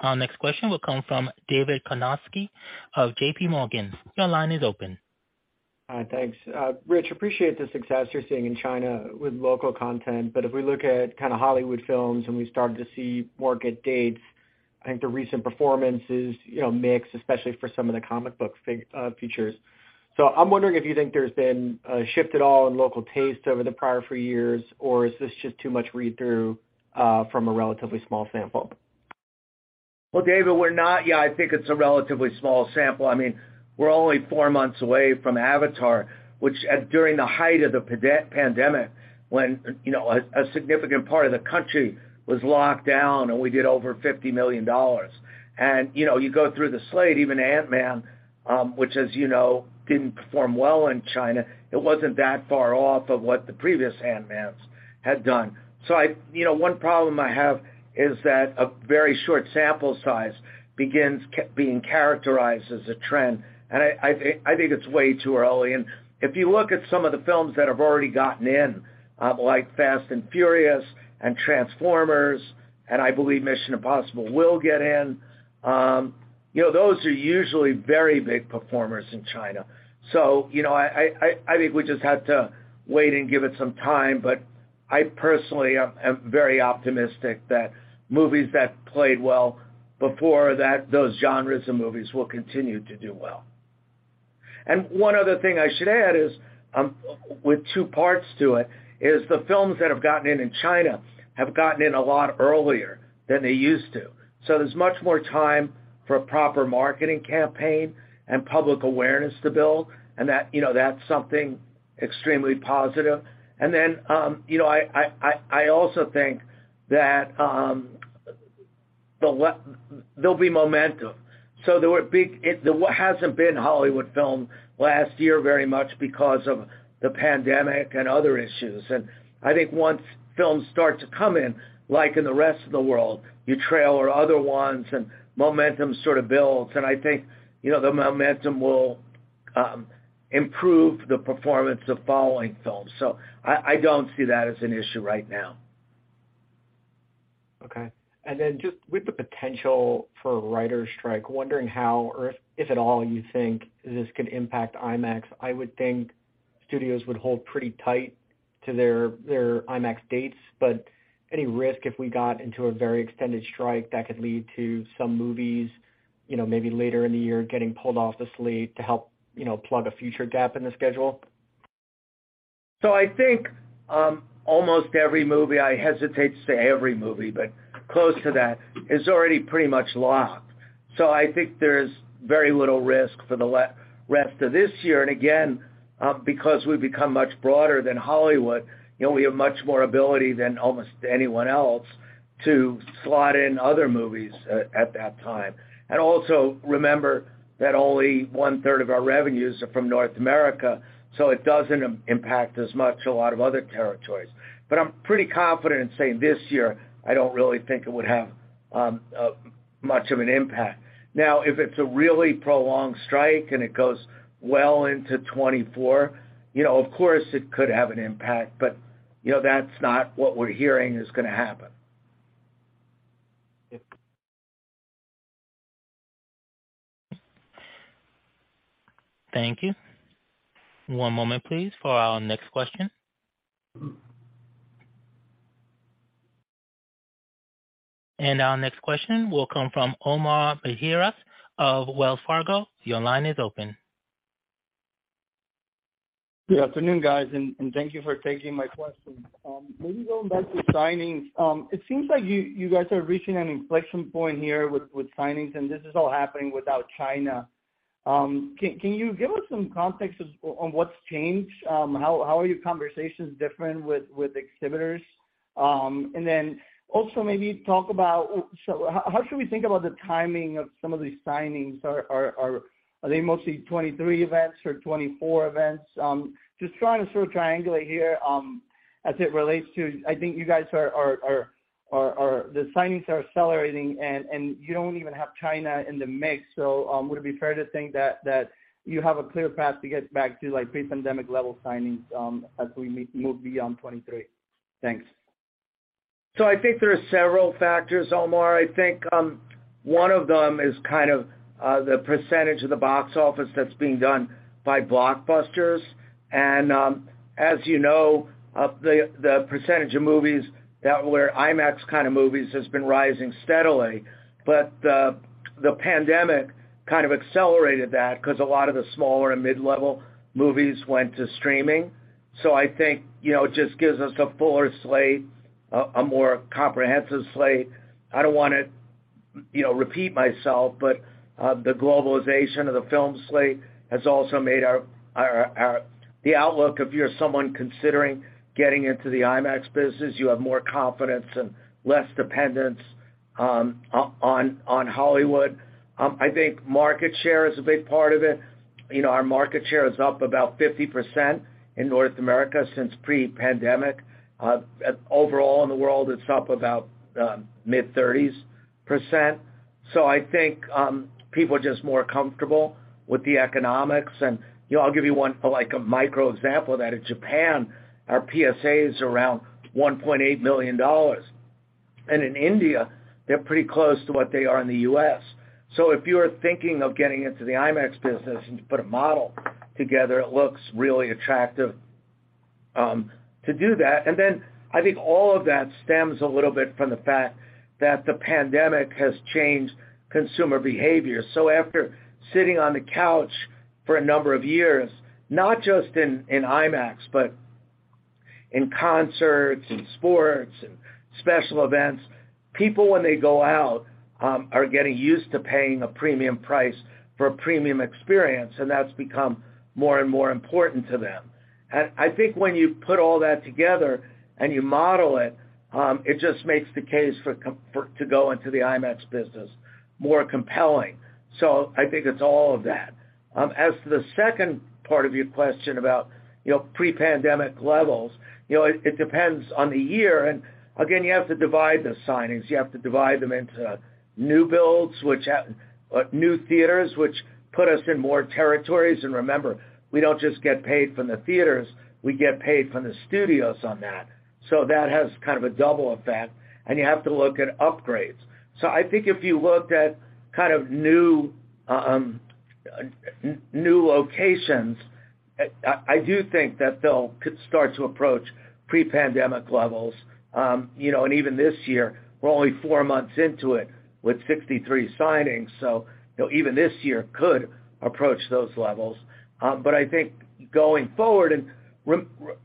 Our next question will come from David Karnovsky of J.P. Morgan. Your line is open. Hi. Thanks. Rich, appreciate the success you're seeing in China with local content, but if we look at kinda Hollywood films and we start to see more good dates, I think the recent performance is, you know, mixed, especially for some of the comic book features. I'm wondering if you think there's been a shift at all in local taste over the prior three years, or is this just too much read-through from a relatively small sample? David, Yeah, I think it's a relatively small sample. I mean, we're only four months away from Avatar, which during the height of the pandemic, when, you know, a significant part of the country was locked down, we did over $50 million. You know, you go through the slate, even Ant-Man, which, as you know, didn't perform well in China, it wasn't that far off of what the previous Ant-Mans had done. You know, one problem I have is that a very short sample size begins being characterized as a trend. I think it's way too early. If you look at some of the films that have already gotten in, like Fast and Furious and Transformers, and I believe Mission Impossible will get in, you know, those are usually very big performers in China. You know, I, I think we just have to wait and give it some time. I personally am very optimistic that movies that played well before that, those genres of movies will continue to do well. One other thing I should add is, with two parts to it, is the films that have gotten in in China have gotten in a lot earlier than they used to. There's much more time for a proper marketing campaign and public awareness to build, and that, you know, that's something extremely positive. You know, I also think that there'll be momentum. There hasn't been Hollywood film last year very much because of the pandemic and other issues. I think once films start to come in, like in the rest of the world, you trailer other ones and momentum sort of builds. I think, you know, the momentum will improve the performance of following films. I don't see that as an issue right now. Okay. Just with the potential for a writer strike, wondering how or if at all, you think this could impact IMAX? I would think studios would hold pretty tight to their IMAX dates, but any risk if we got into a very extended strike that could lead to some movies, you know, maybe later in the year getting pulled off the slate to help, you know, plug a future gap in the schedule? I think almost every movie, I hesitate to say every movie, but close to that, is already pretty much locked. I think there's very little risk for the rest of this year. Again, because we've become much broader than Hollywood, you know, we have much more ability than almost anyone else to slot in other movies at that time. Also remember that only one-third of our revenues are from North America, so it doesn't impact as much a lot of other territories. I'm pretty confident in saying this year, I don't really think it would have much of an impact. Now, if it's a really prolonged strike and it goes well into 2024, you know, of course, it could have an impact, but, you know, that's not what we're hearing is gonna happen. Thank you. Thank you. One moment, please, for our next question. Our next question will come from Omar Mejias of Wells Fargo. Your line is open. Good afternoon, guys, and thank you for taking my question. Maybe going back to signings, it seems like you guys are reaching an inflection point here with signings, and this is all happening without China. Can you give us some context on what's changed? How are your conversations different with exhibitors? Then also maybe talk about how should we think about the timing of some of these signings? Are they mostly 2023 events or 2024 events? Just trying to sort of triangulate here, as it relates to I think you guys are the signings are accelerating and you don't even have China in the mix. Would it be fair to think that you have a clear path to get back to, like, pre-pandemic level signings, as we move beyond 2023? Thanks. I think there are several factors, Omar. I think one of them is kind of the percentage of the box office that's being done by blockbusters. As you know, the percentage of movies that were IMAX kind of movies has been rising steadily. The pandemic kind of accelerated that because a lot of the smaller and mid-level movies went to streaming. I think, you know, it just gives us a fuller slate, a more comprehensive slate. I don't wanna, you know, repeat myself, but the globalization of the film slate has also made our the outlook, if you're someone considering getting into the IMAX business, you have more confidence and less dependence on Hollywood. I think market share is a big part of it. You know, our market share is up about 50% in North America since pre-pandemic. Overall in the world, it's up about mid-30s%. I think people are just more comfortable with the economics. You know, I'll give you one, like, a micro example of that. In Japan, our PSA is around $1.8 million, and in India, they're pretty close to what they are in the U.S. If you are thinking of getting into the IMAX business and to put a model together, it looks really attractive to do that. I think all of that stems a little bit from the fact that the pandemic has changed consumer behavior. After sitting on the couch for a number of years, not just in IMAX, but in concerts, in sports, in special events, people when they go out, are getting used to paying a premium price for a premium experience, and that's become more and more important to them. I think when you put all that together and you model it just makes the case to go into the IMAX business more compelling. I think it's all of that. As to the second part of your question about, you know, pre-pandemic levels, you know, it depends on the year, and again, you have to divide the signings. You have to divide them into new builds, which new theaters, which put us in more territories. Remember, we don't just get paid from the theaters, we get paid from the studios on that. That has kind of a double effect, and you have to look at upgrades. I think if you looked at kind of new locations, I do think that they'll could start to approach pre-pandemic levels. you know, and even this year, we're only four months into it with 63 signings, so, you know, even this year could approach those levels. I think going forward.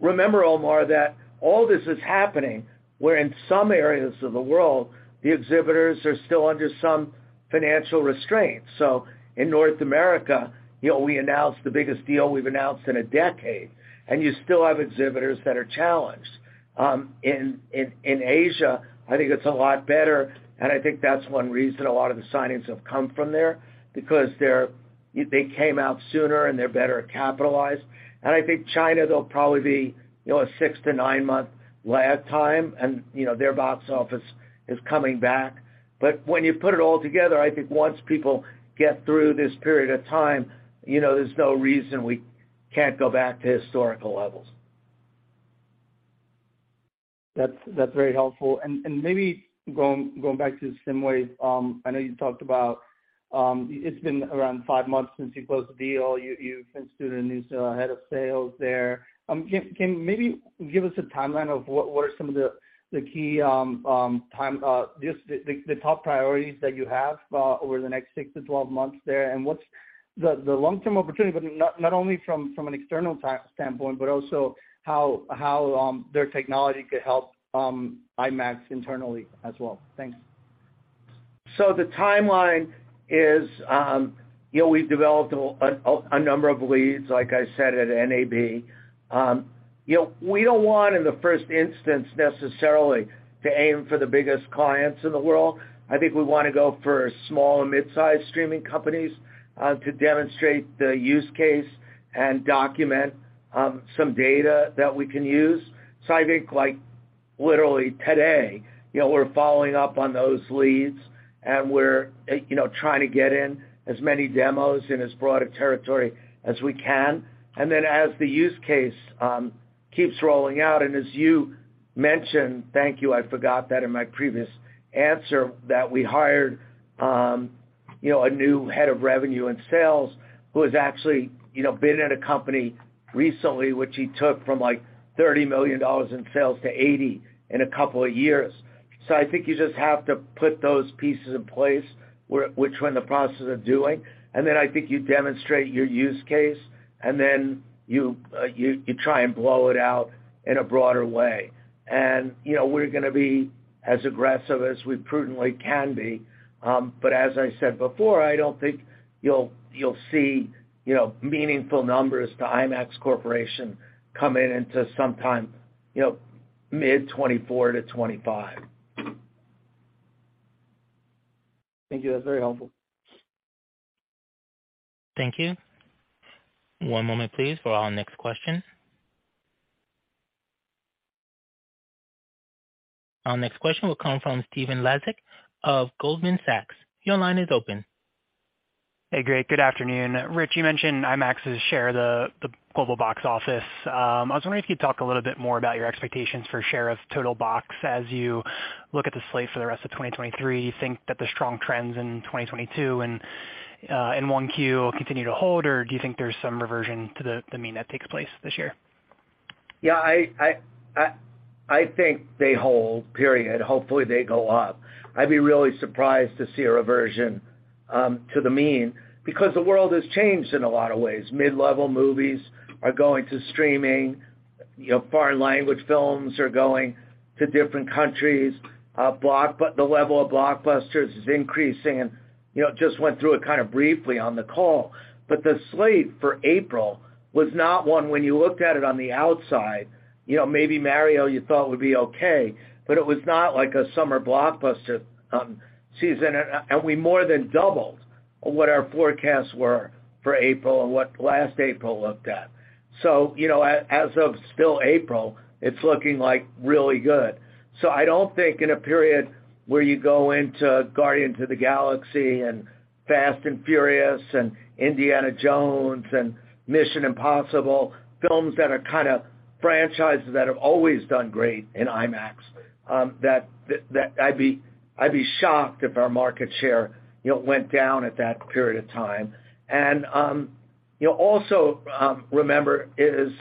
Remember, Omar, that all this is happening where in some areas of the world, the exhibitors are still under some financial restraints. In North America, you know, we announced the biggest deal we've announced in a decade, and you still have exhibitors that are challenged. In Asia, I think it's a lot better, and I think that's one reason a lot of the signings have come from there because they came out sooner, and they're better capitalized. I think China, they'll probably be, you know, a 6-9 month lag time and, you know, their box office is coming back. When you put it all together, I think once people get through this period of time, you know, there's no reason we can't go back to historical levels. That's very helpful. Maybe going back to Cineway, I know you talked about, it's been around five months since you closed the deal. You've instituted a new head of sales there. Can you maybe give us a timeline of what are some of the key time, just the top priorities that you have over the next 6 to 12 months there? What's the long-term opportunity, but not only from an external standpoint, but also how their technology could help IMAX internally as well? Thanks. The timeline is, you know, we've developed a number of leads, like I said, at NAB. You know, we don't want, in the first instance, necessarily to aim for the biggest clients in the world. I think we wanna go for small and mid-size streaming companies, to demonstrate the use case and document, some data that we can use. I think, like, literally today, you know, we're following up on those leads, and we're, you know, trying to get in as many demos in as broad a territory as we can. Then as the use case, keeps rolling out, and as you mentioned, thank you, I forgot that in my previous answer, that we hired, you know, a new head of revenue and sales who has actually, you know, been at a company recently, which he took from, like, $30 million in sales to $80 million in a couple of years. I think you just have to put those pieces in place, which we're in the process of doing, and then I think you demonstrate your use case, and then you try and blow it out in a broader way. You know, we're gonna be as aggressive as we prudently can be, but as I said before, I don't think you'll see, you know, meaningful numbers to IMAX Corporation come in until sometime, you know, mid 2024-2025. Thank you. That's very helpful. Thank you. One moment please for our next question. Our next question will come from Stephen Laszczyk of Goldman Sachs. Your line is open. Hey, great. Good afternoon. Rich, you mentioned IMAX's share of the global box office. I was wondering if you'd talk a little bit more about your expectations for share of total box as you look at the slate for the rest of 2023. Do you think that the strong trends in 2022 and in 1Q will continue to hold, or do you think there's some reversion to the mean that takes place this year? Yeah. I think they hold, period. Hopefully, they go up. I'd be really surprised to see a reversion to the mean because the world has changed in a lot of ways. Mid-level movies are going to streaming. You know, foreign language films are going to different countries. The level of blockbusters is increasing and, you know, just went through it kind of briefly on the call. The slate for April was not one when you looked at it on the outside, you know, maybe Mario you thought would be okay, but it was not like a summer blockbuster season. We more than doubled what our forecasts were for April and what last April looked at. You know, as of still April, it's looking like really good. I don't think in a period where you go into Guardians of the Galaxy and Fast and the Furious and Indiana Jones and Mission: Impossible, films that are kinda franchises that have always done great in IMAX, that I'd be shocked if our market share, you know, went down at that period of time. You know, also, remember is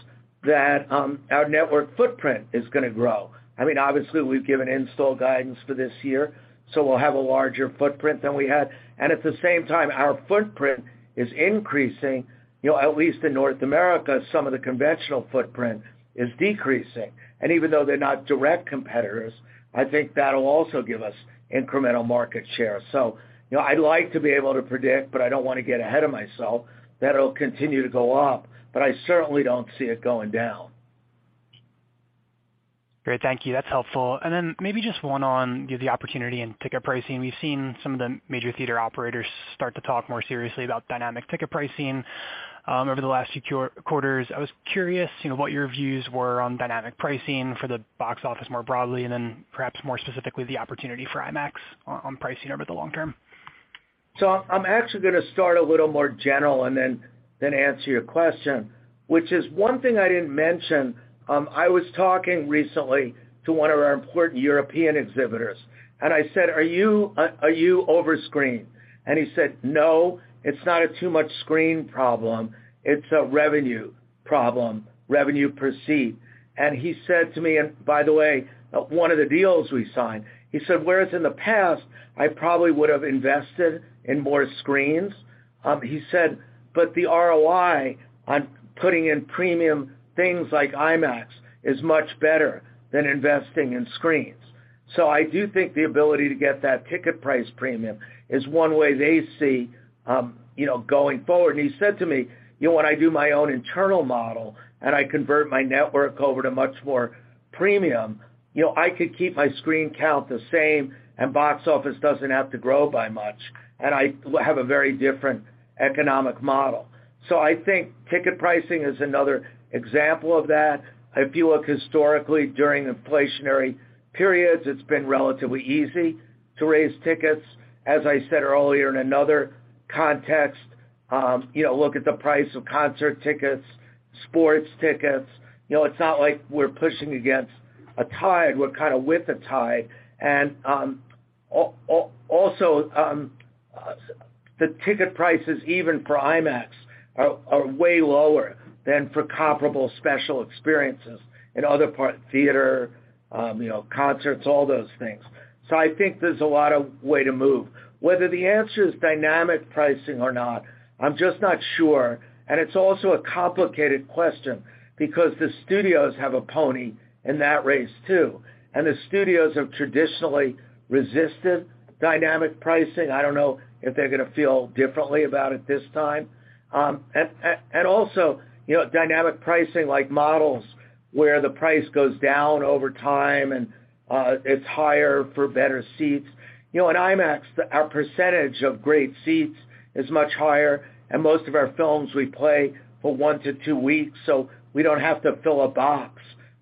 that our network footprint is gonna grow. I mean, obviously we've given install guidance for this year, so we'll have a larger footprint than we had. At the same time, our footprint is increasing, you know, at least in North America, some of the conventional footprint is decreasing. Even though they're not direct competitors, I think that'll also give us incremental market share. You know, I'd like to be able to predict, but I don't want to get ahead of myself, that it'll continue to go up, but I certainly don't see it going down. Great. Thank you. That's helpful. Then maybe just one on the opportunity in ticket pricing. We've seen some of the major theater operators start to talk more seriously about dynamic ticket pricing, over the last few quarters. I was curious, you know, what your views were on dynamic pricing for the box office more broadly, and then perhaps more specifically, the opportunity for IMAX on pricing over the long-term. I'm actually gonna start a little more general and then answer your question, which is one thing I didn't mention, I was talking recently to one of our important European exhibitors, and I said, "Are you over-screen?" He said, "No, it's not a too much screen problem. It's a revenue problem, revenue per seat." He said to me, and by the way, one of the deals we signed, he said, "Whereas in the past, I probably would have invested in more screens," he said, "The ROI on putting in premium things like IMAX is much better than investing in screens." I do think the ability to get that ticket price premium is one way they see, you know, going forward. He said to me, "You know, when I do my own internal model and I convert my network over to much more premium, you know, I could keep my screen count the same and box office doesn't have to grow by much, and I have a very different economic model." I think ticket pricing is another example of that. If you look historically during inflationary periods, it's been relatively easy to raise tickets. As I said earlier in another context, you know, look at the price of concert tickets, sports tickets. You know, it's not like we're pushing against a tide, we're kinda with the tide. Also, the ticket prices, even for IMAX, are way lower than for comparable special experiences in other part, theater, you know, concerts, all those things. I think there's a lot of way to move. Whether the answer is dynamic pricing or not, I'm just not sure. It's also a complicated question because the studios have a pony in that race, too, and the studios have traditionally resisted dynamic pricing. I don't know if they're gonna feel differently about it this time. Also, you know, dynamic pricing like models where the price goes down over time and it's higher for better seats. You know, in IMAX, our percentage of great seats is much higher, and most of our films we play for one to two weeks, so we don't have to fill a box,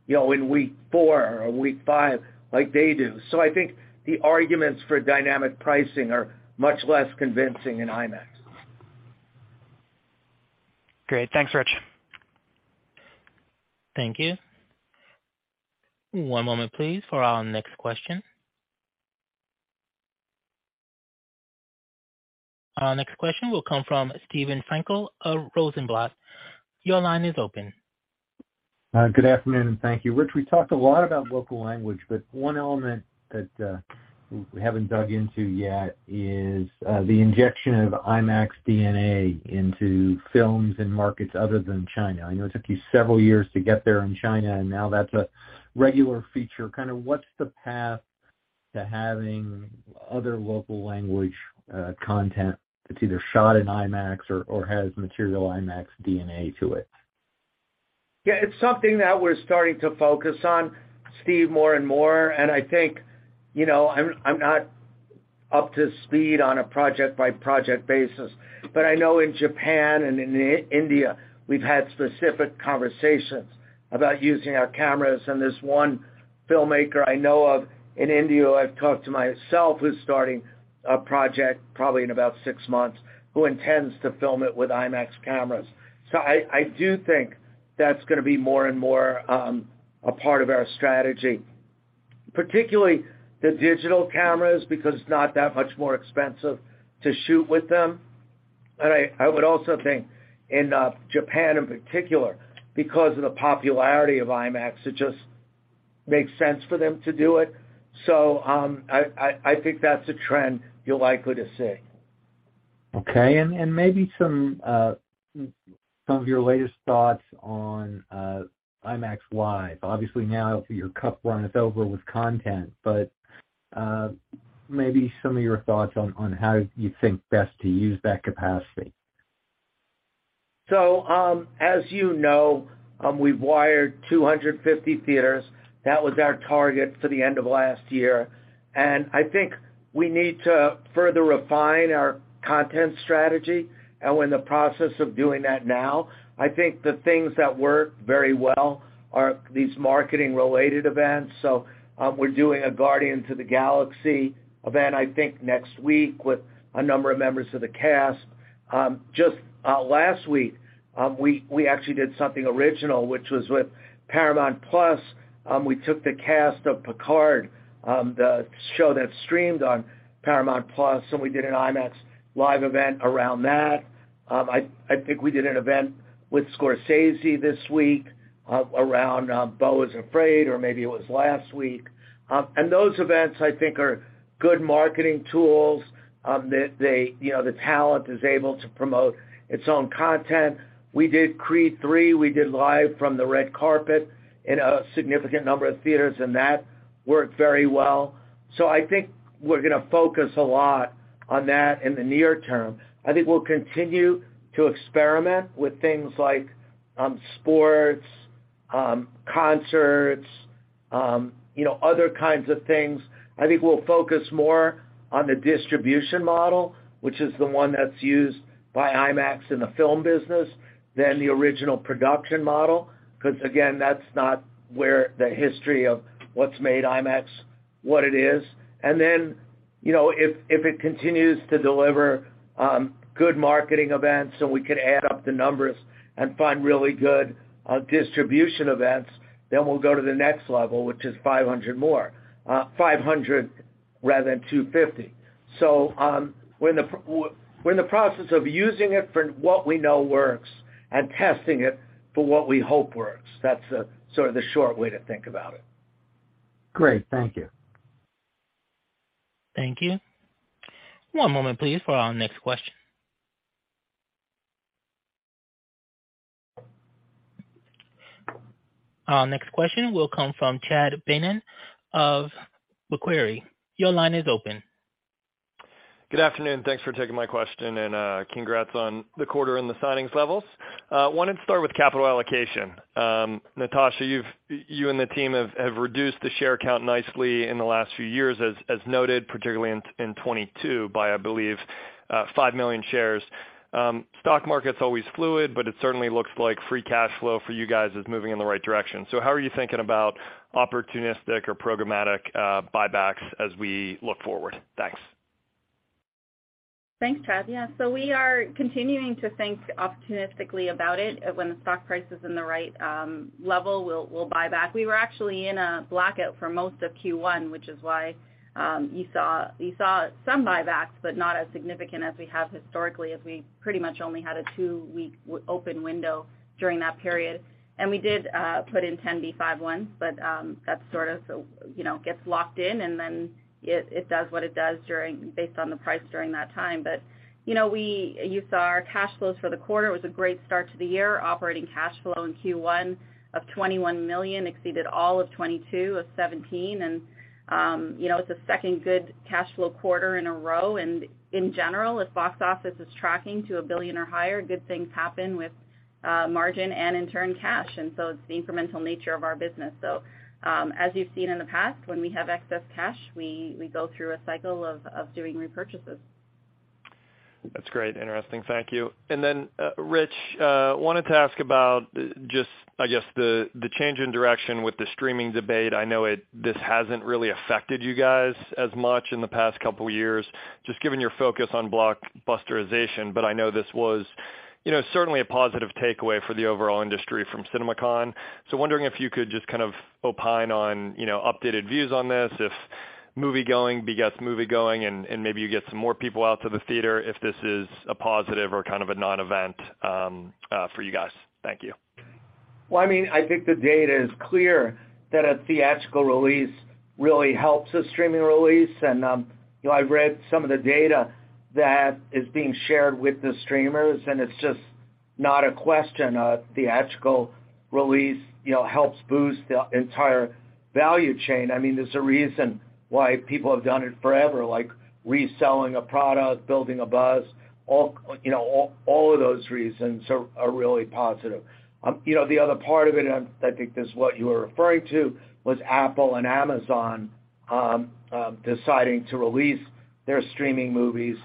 you know, in week four or week five like they do. I think the arguments for dynamic pricing are much less convincing in IMAX. Great. Thanks, Rich. Thank you. One moment please for our next question. Our next question will come from Steven Frankel of Rosenblatt. Your line is open. Good afternoon. Thank you. Rich, we talked a lot about local language. One element that we haven't dug into yet is the injection of IMAX DNA into films in markets other than China. I know it took you several years to get there in China, and now that's a regular feature. What's the path to having other local language content that's either shot in IMAX or has material IMAX DNA to it? Yeah. It's something that we're starting to focus on, Steve, more and more. I think, you know, I'm not up to speed on a project-by-project basis, but I know in Japan and in India, we've had specific conversations about using our cameras. There's one filmmaker I know of in India who I've talked to myself who's starting a project probably in about six months, who intends to film it with IMAX cameras. I do think that's gonna be more and more a part of our strategy, particularly the digital cameras, because it's not that much more expensive to shoot with them. I would also think in Japan in particular, because of the popularity of IMAX, it just makes sense for them to do it. I think that's a trend you're likely to see. Okay. maybe some of your latest thoughts on IMAX Live. Obviously now your cup runneth over with content, but maybe some of your thoughts on how you think best to use that capacity. As you know, we've wired 250 theaters. That was our target for the end of last year. I think we need to further refine our content strategy and we're in the process of doing that now. I think the things that work very well are these marketing-related events. We're doing a Guardians of the Galaxy event, I think, next week with a number of members of the cast. Just last week, we actually did something original, which was with Paramount+. We took the cast of Picard, the show that streamed on Paramount+, and we did an IMAX Live event around that. I think we did an event with Scorsese this week, around Beau Is Afraid, or maybe it was last week. Those events, I think, are good marketing tools, that they, you know, the talent is able to promote its own content. We did Creed III, we did live from the red carpet in a significant number of theaters, and that worked very well. I think we're gonna focus a lot on that in the near-term. I think we'll continue to experiment with things like, sports, concerts, you know, other kinds of things. I think we'll focus more on the distribution model, which is the one that's used by IMAX in the film business than the original production model, 'cause, again, that's not where the history of what's made IMAX what it is. You know, if it continues to deliver, good marketing events, so we can add up the numbers and find really good, distribution events, then we'll go to the next level, which is 500 more. 500 rather than 250. We're in the process of using it for what we know works and testing it for what we hope works. That's sort of the short way to think about it. Great. Thank you. Thank you. One moment please for our next question. Our next question will come from Chad Beynon of Macquarie. Your line is open. Good afternoon. Thanks for taking my question, and congrats on the quarter and the signings levels. Wanted to start with capital allocation. Natasha, you and the team have reduced the share count nicely in the last few years, as noted, particularly in '22 by, I believe, five million shares. Stock market's always fluid, but it certainly looks like free cash flow for you guys is moving in the right direction. How are you thinking about opportunistic or programmatic buybacks as we look forward? Thanks. Thanks, Chad. Yeah, we are continuing to think opportunistically about it. When the stock price is in the right level, we'll buy back. We were actually in a blackout for most of Q1, which is why you saw some buybacks, but not as significant as we have historically as we pretty much only had a two weeks open window during that period. We did put in 10b5-1s, but that sort of, you know, gets locked in, and then it does what it does during based on the price during that time. You know, you saw our cash flows for the quarter. It was a great start to the year. Operating cash flow in Q1 of $21 million exceeded all of 2022 of $17 million. You know, it's the second good cash flow quarter in a row. In general, if box office is tracking to $1 billion or higher, good things happen with margin and in turn cash. It's the incremental nature of our business. As you've seen in the past, when we have excess cash, we go through a cycle of doing repurchases. That's great. Interesting. Thank you. Rich wanted to ask about just, I guess, the change in direction with the streaming debate. I know this hasn't really affected you guys as much in the past couple years, just given your focus on blockbusterization, but I know this was, you know, certainly a positive takeaway for the overall industry from CinemaCon. Wondering if you could just kind of opine on, you know, updated views on this, if moviegoing begets moviegoing and maybe you get some more people out to the theater, if this is a positive or kind of a non-event for you guys. Thank you. Well, I mean, I think the data is clear that a theatrical release really helps a streaming release. You know, I've read some of the data that is being shared with the streamers, and it's just not a question. A theatrical release, you know, helps boost the entire value chain. I mean, there's a reason why people have done it forever, like reselling a product, building a buzz. All, you know, all of those reasons are really positive. You know, the other part of it, and I think this is what you were referring to, was Apple and Amazon deciding to release their streaming movies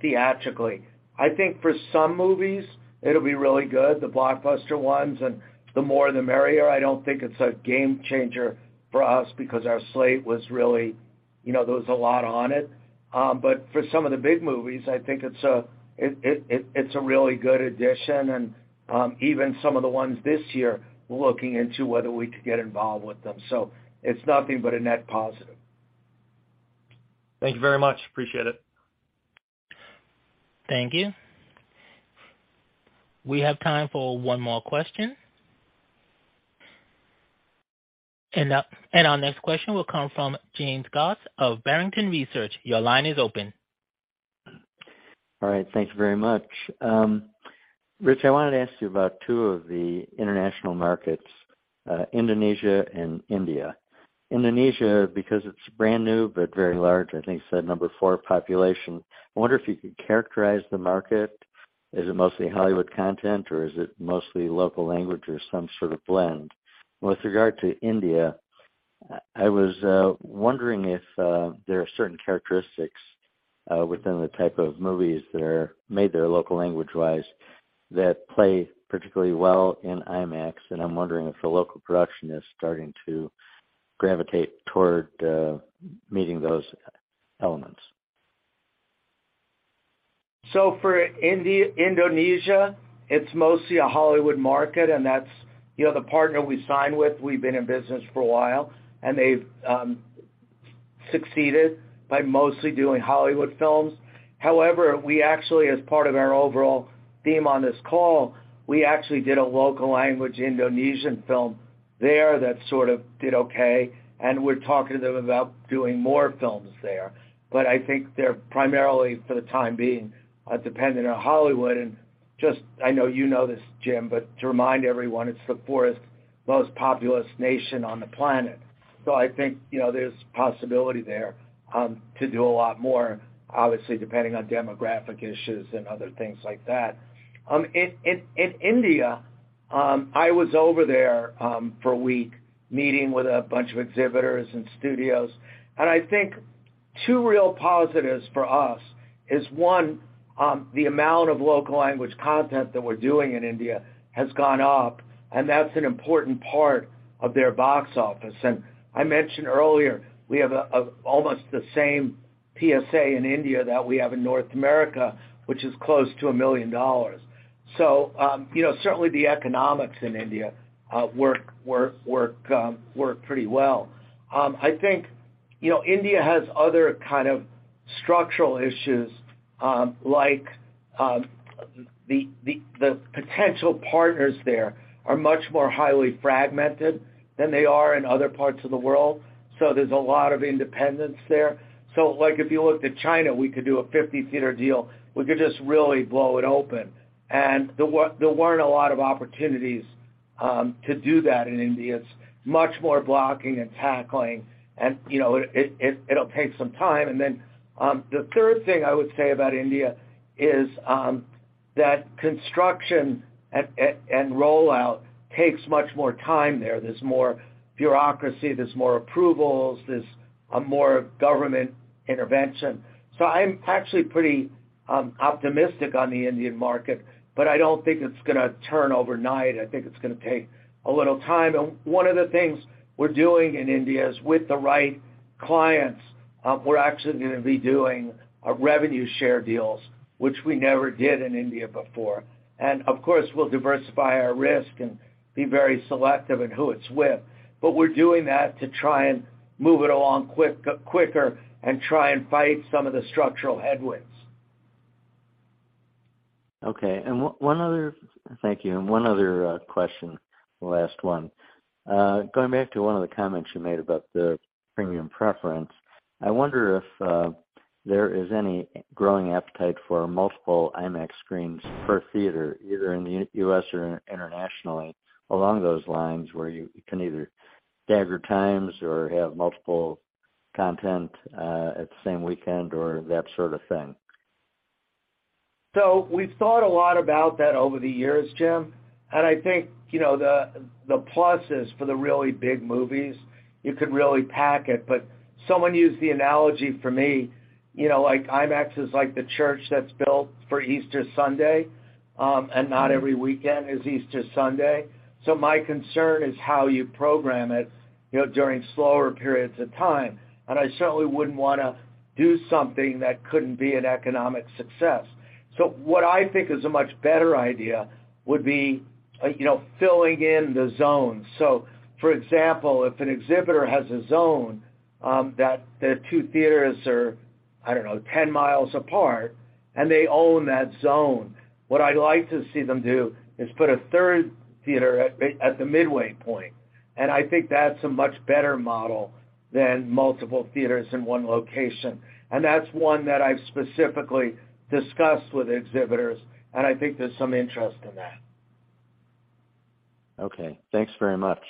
theatrically. I think for some movies it'll be really good, the blockbuster ones, and the more the merrier. I don't think it's a game changer for us because our slate was really, you know, there was a lot on it. For some of the big movies, I think it's a really good addition and, even some of the ones this year we're looking into whether we could get involved with them. It's nothing but a net positive. Thank you very much. Appreciate it. Thank you. We have time for one more question. Our next question will come from James Goss of Barrington Research. Your line is open. All right. Thank you very much. Rich, I wanted to ask you about two of the international markets, Indonesia and India. Indonesia because it's brand new but very large, I think it's the number four population. I wonder if you could characterize the market. Is it mostly Hollywood content, or is it mostly local language or some sort of blend? With regard to India, I was wondering if there are certain characteristics within the type of movies that are made there local language-wise that play particularly well in IMAX. I'm wondering if the local production is starting to gravitate toward meeting those elements. For Indonesia, it's mostly a Hollywood market, and that's, you know, the partner we signed with, we've been in business for a while, and they've succeeded by mostly doing Hollywood films. However, we actually, as part of our overall theme on this call, we actually did a local language Indonesian film there that sort of did okay, and we're talking to them about doing more films there. I think they're primarily, for the time being, dependent on Hollywood and just. I know you know this, Jim, but to remind everyone, it's the fourth most populous nation on the planet. I think, you know, there's possibility there to do a lot more, obviously, depending on demographic issues and other things like that. In India, I was over there for a week, meeting with a bunch of exhibitors and studios. I think two real positives for us is, one, the amount of local language content that we're doing in India has gone up, and that's an important part of their box office. I mentioned earlier, we have almost the same PSA in India that we have in North America, which is close to $1 million. You know, certainly, the economics in India work pretty well. I think, you know, India has other kind of structural issues, like the potential partners there are much more highly fragmented than they are in other parts of the world, so there's a lot of independence there. Like, if you look to China, we could do a 50-theater deal. We could just really blow it open. There weren't a lot of opportunities to do that in India. It's much more blocking and tackling and, you know, it'll take some time. The third thing I would say about India is that construction and rollout takes much more time there. There's more bureaucracy, there's more approvals, there's more government intervention. I'm actually pretty optimistic on the Indian market, but I don't think it's gonna turn overnight. I think it's gonna take a little time. One of the things we're doing in India is with the right clients, we're actually gonna be doing a revenue share deals, which we never did in India before. Of course, we'll diversify our risk and be very selective in who it's with. We're doing that to try and move it along quicker and try and fight some of the structural headwinds. Okay. Thank you. One other question, last one. Going back to one of the comments you made about the premium preference, I wonder if there is any growing appetite for multiple IMAX screens per theater, either in the U.S. or internationally, along those lines where you can either stagger times or have multiple content at the same weekend or that sort of thing. We've thought a lot about that over the years, Jim, and I think, you know, the pluses for the really big movies, you could really pack it. Someone used the analogy for me, you know, like, IMAX is like the church that's built for Easter Sunday, and not every weekend is Easter Sunday. My concern is how you program it, you know, during slower periods of time. I certainly wouldn't wanna do something that couldn't be an economic success. What I think is a much better idea would be, you know, filling in the zones. For example, if an exhibitor has a zone, that their two theaters are, I don't know, 10 miles apart, and they own that zone, what I like to see them do is put a third theater at the midway point. I think that's a much better model than multiple theaters in one location. That's one that I've specifically discussed with exhibitors, and I think there's some interest in that. Okay. Thanks very much.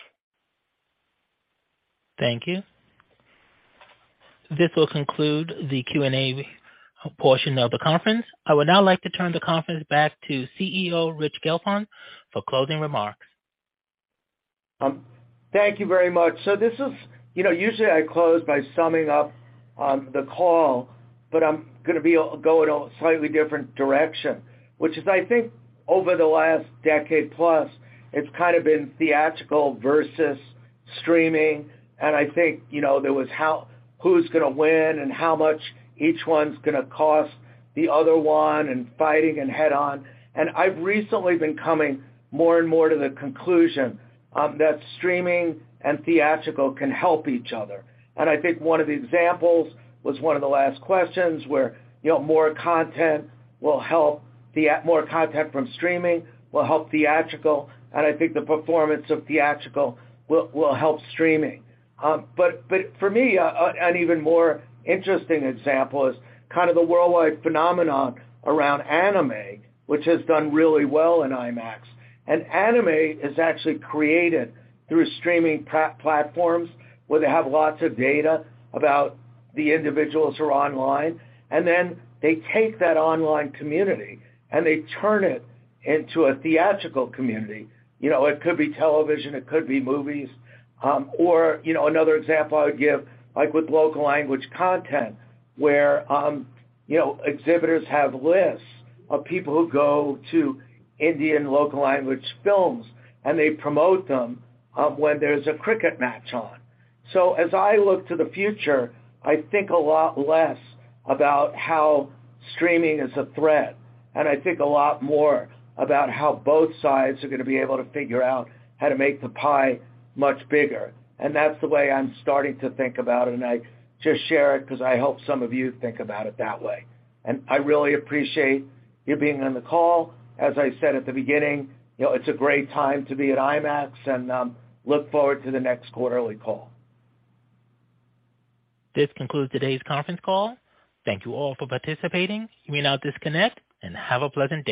Thank you. This will conclude the Q&A portion of the conference. I would now like to turn the conference back to CEO, Rich Gelfond, for closing remarks. Thank you very much. This is, you know, usually I close by summing up the call, but I'm gonna go in a slightly different direction, which is, I think, over the last decade plus, it's kind of been theatrical versus streaming. I think, you know, there was who's gonna win and how much each one's gonna cost the other one and fighting and head on. I've recently been coming more and more to the conclusion that streaming and theatrical can help each other. I think one of the examples was one of the last questions where, you know, more content will help more content from streaming will help theatrical, and I think the performance of theatrical will help streaming. For me, an even more interesting example is kind of the worldwide phenomenon around anime, which has done really well in IMAX. Anime is actually created through streaming platforms where they have lots of data about the individuals who are online, and then they take that online community, and they turn it into a theatrical community. You know, it could be television, it could be movies. Another example I would give, like with local language content, where, you know, exhibitors have lists of people who go to Indian local language films, and they promote them when there's a cricket match on. As I look to the future, I think a lot less about how streaming is a threat, and I think a lot more about how both sides are gonna be able to figure out how to make the pie much bigger. That's the way I'm starting to think about it, and I just share it 'cause I hope some of you think about it that way. I really appreciate you being on the call. As I said at the beginning, you know, it's a great time to be at IMAX and look forward to the next quarterly call. This concludes today's conference call. Thank you all for participating. You may now disconnect and have a pleasant day.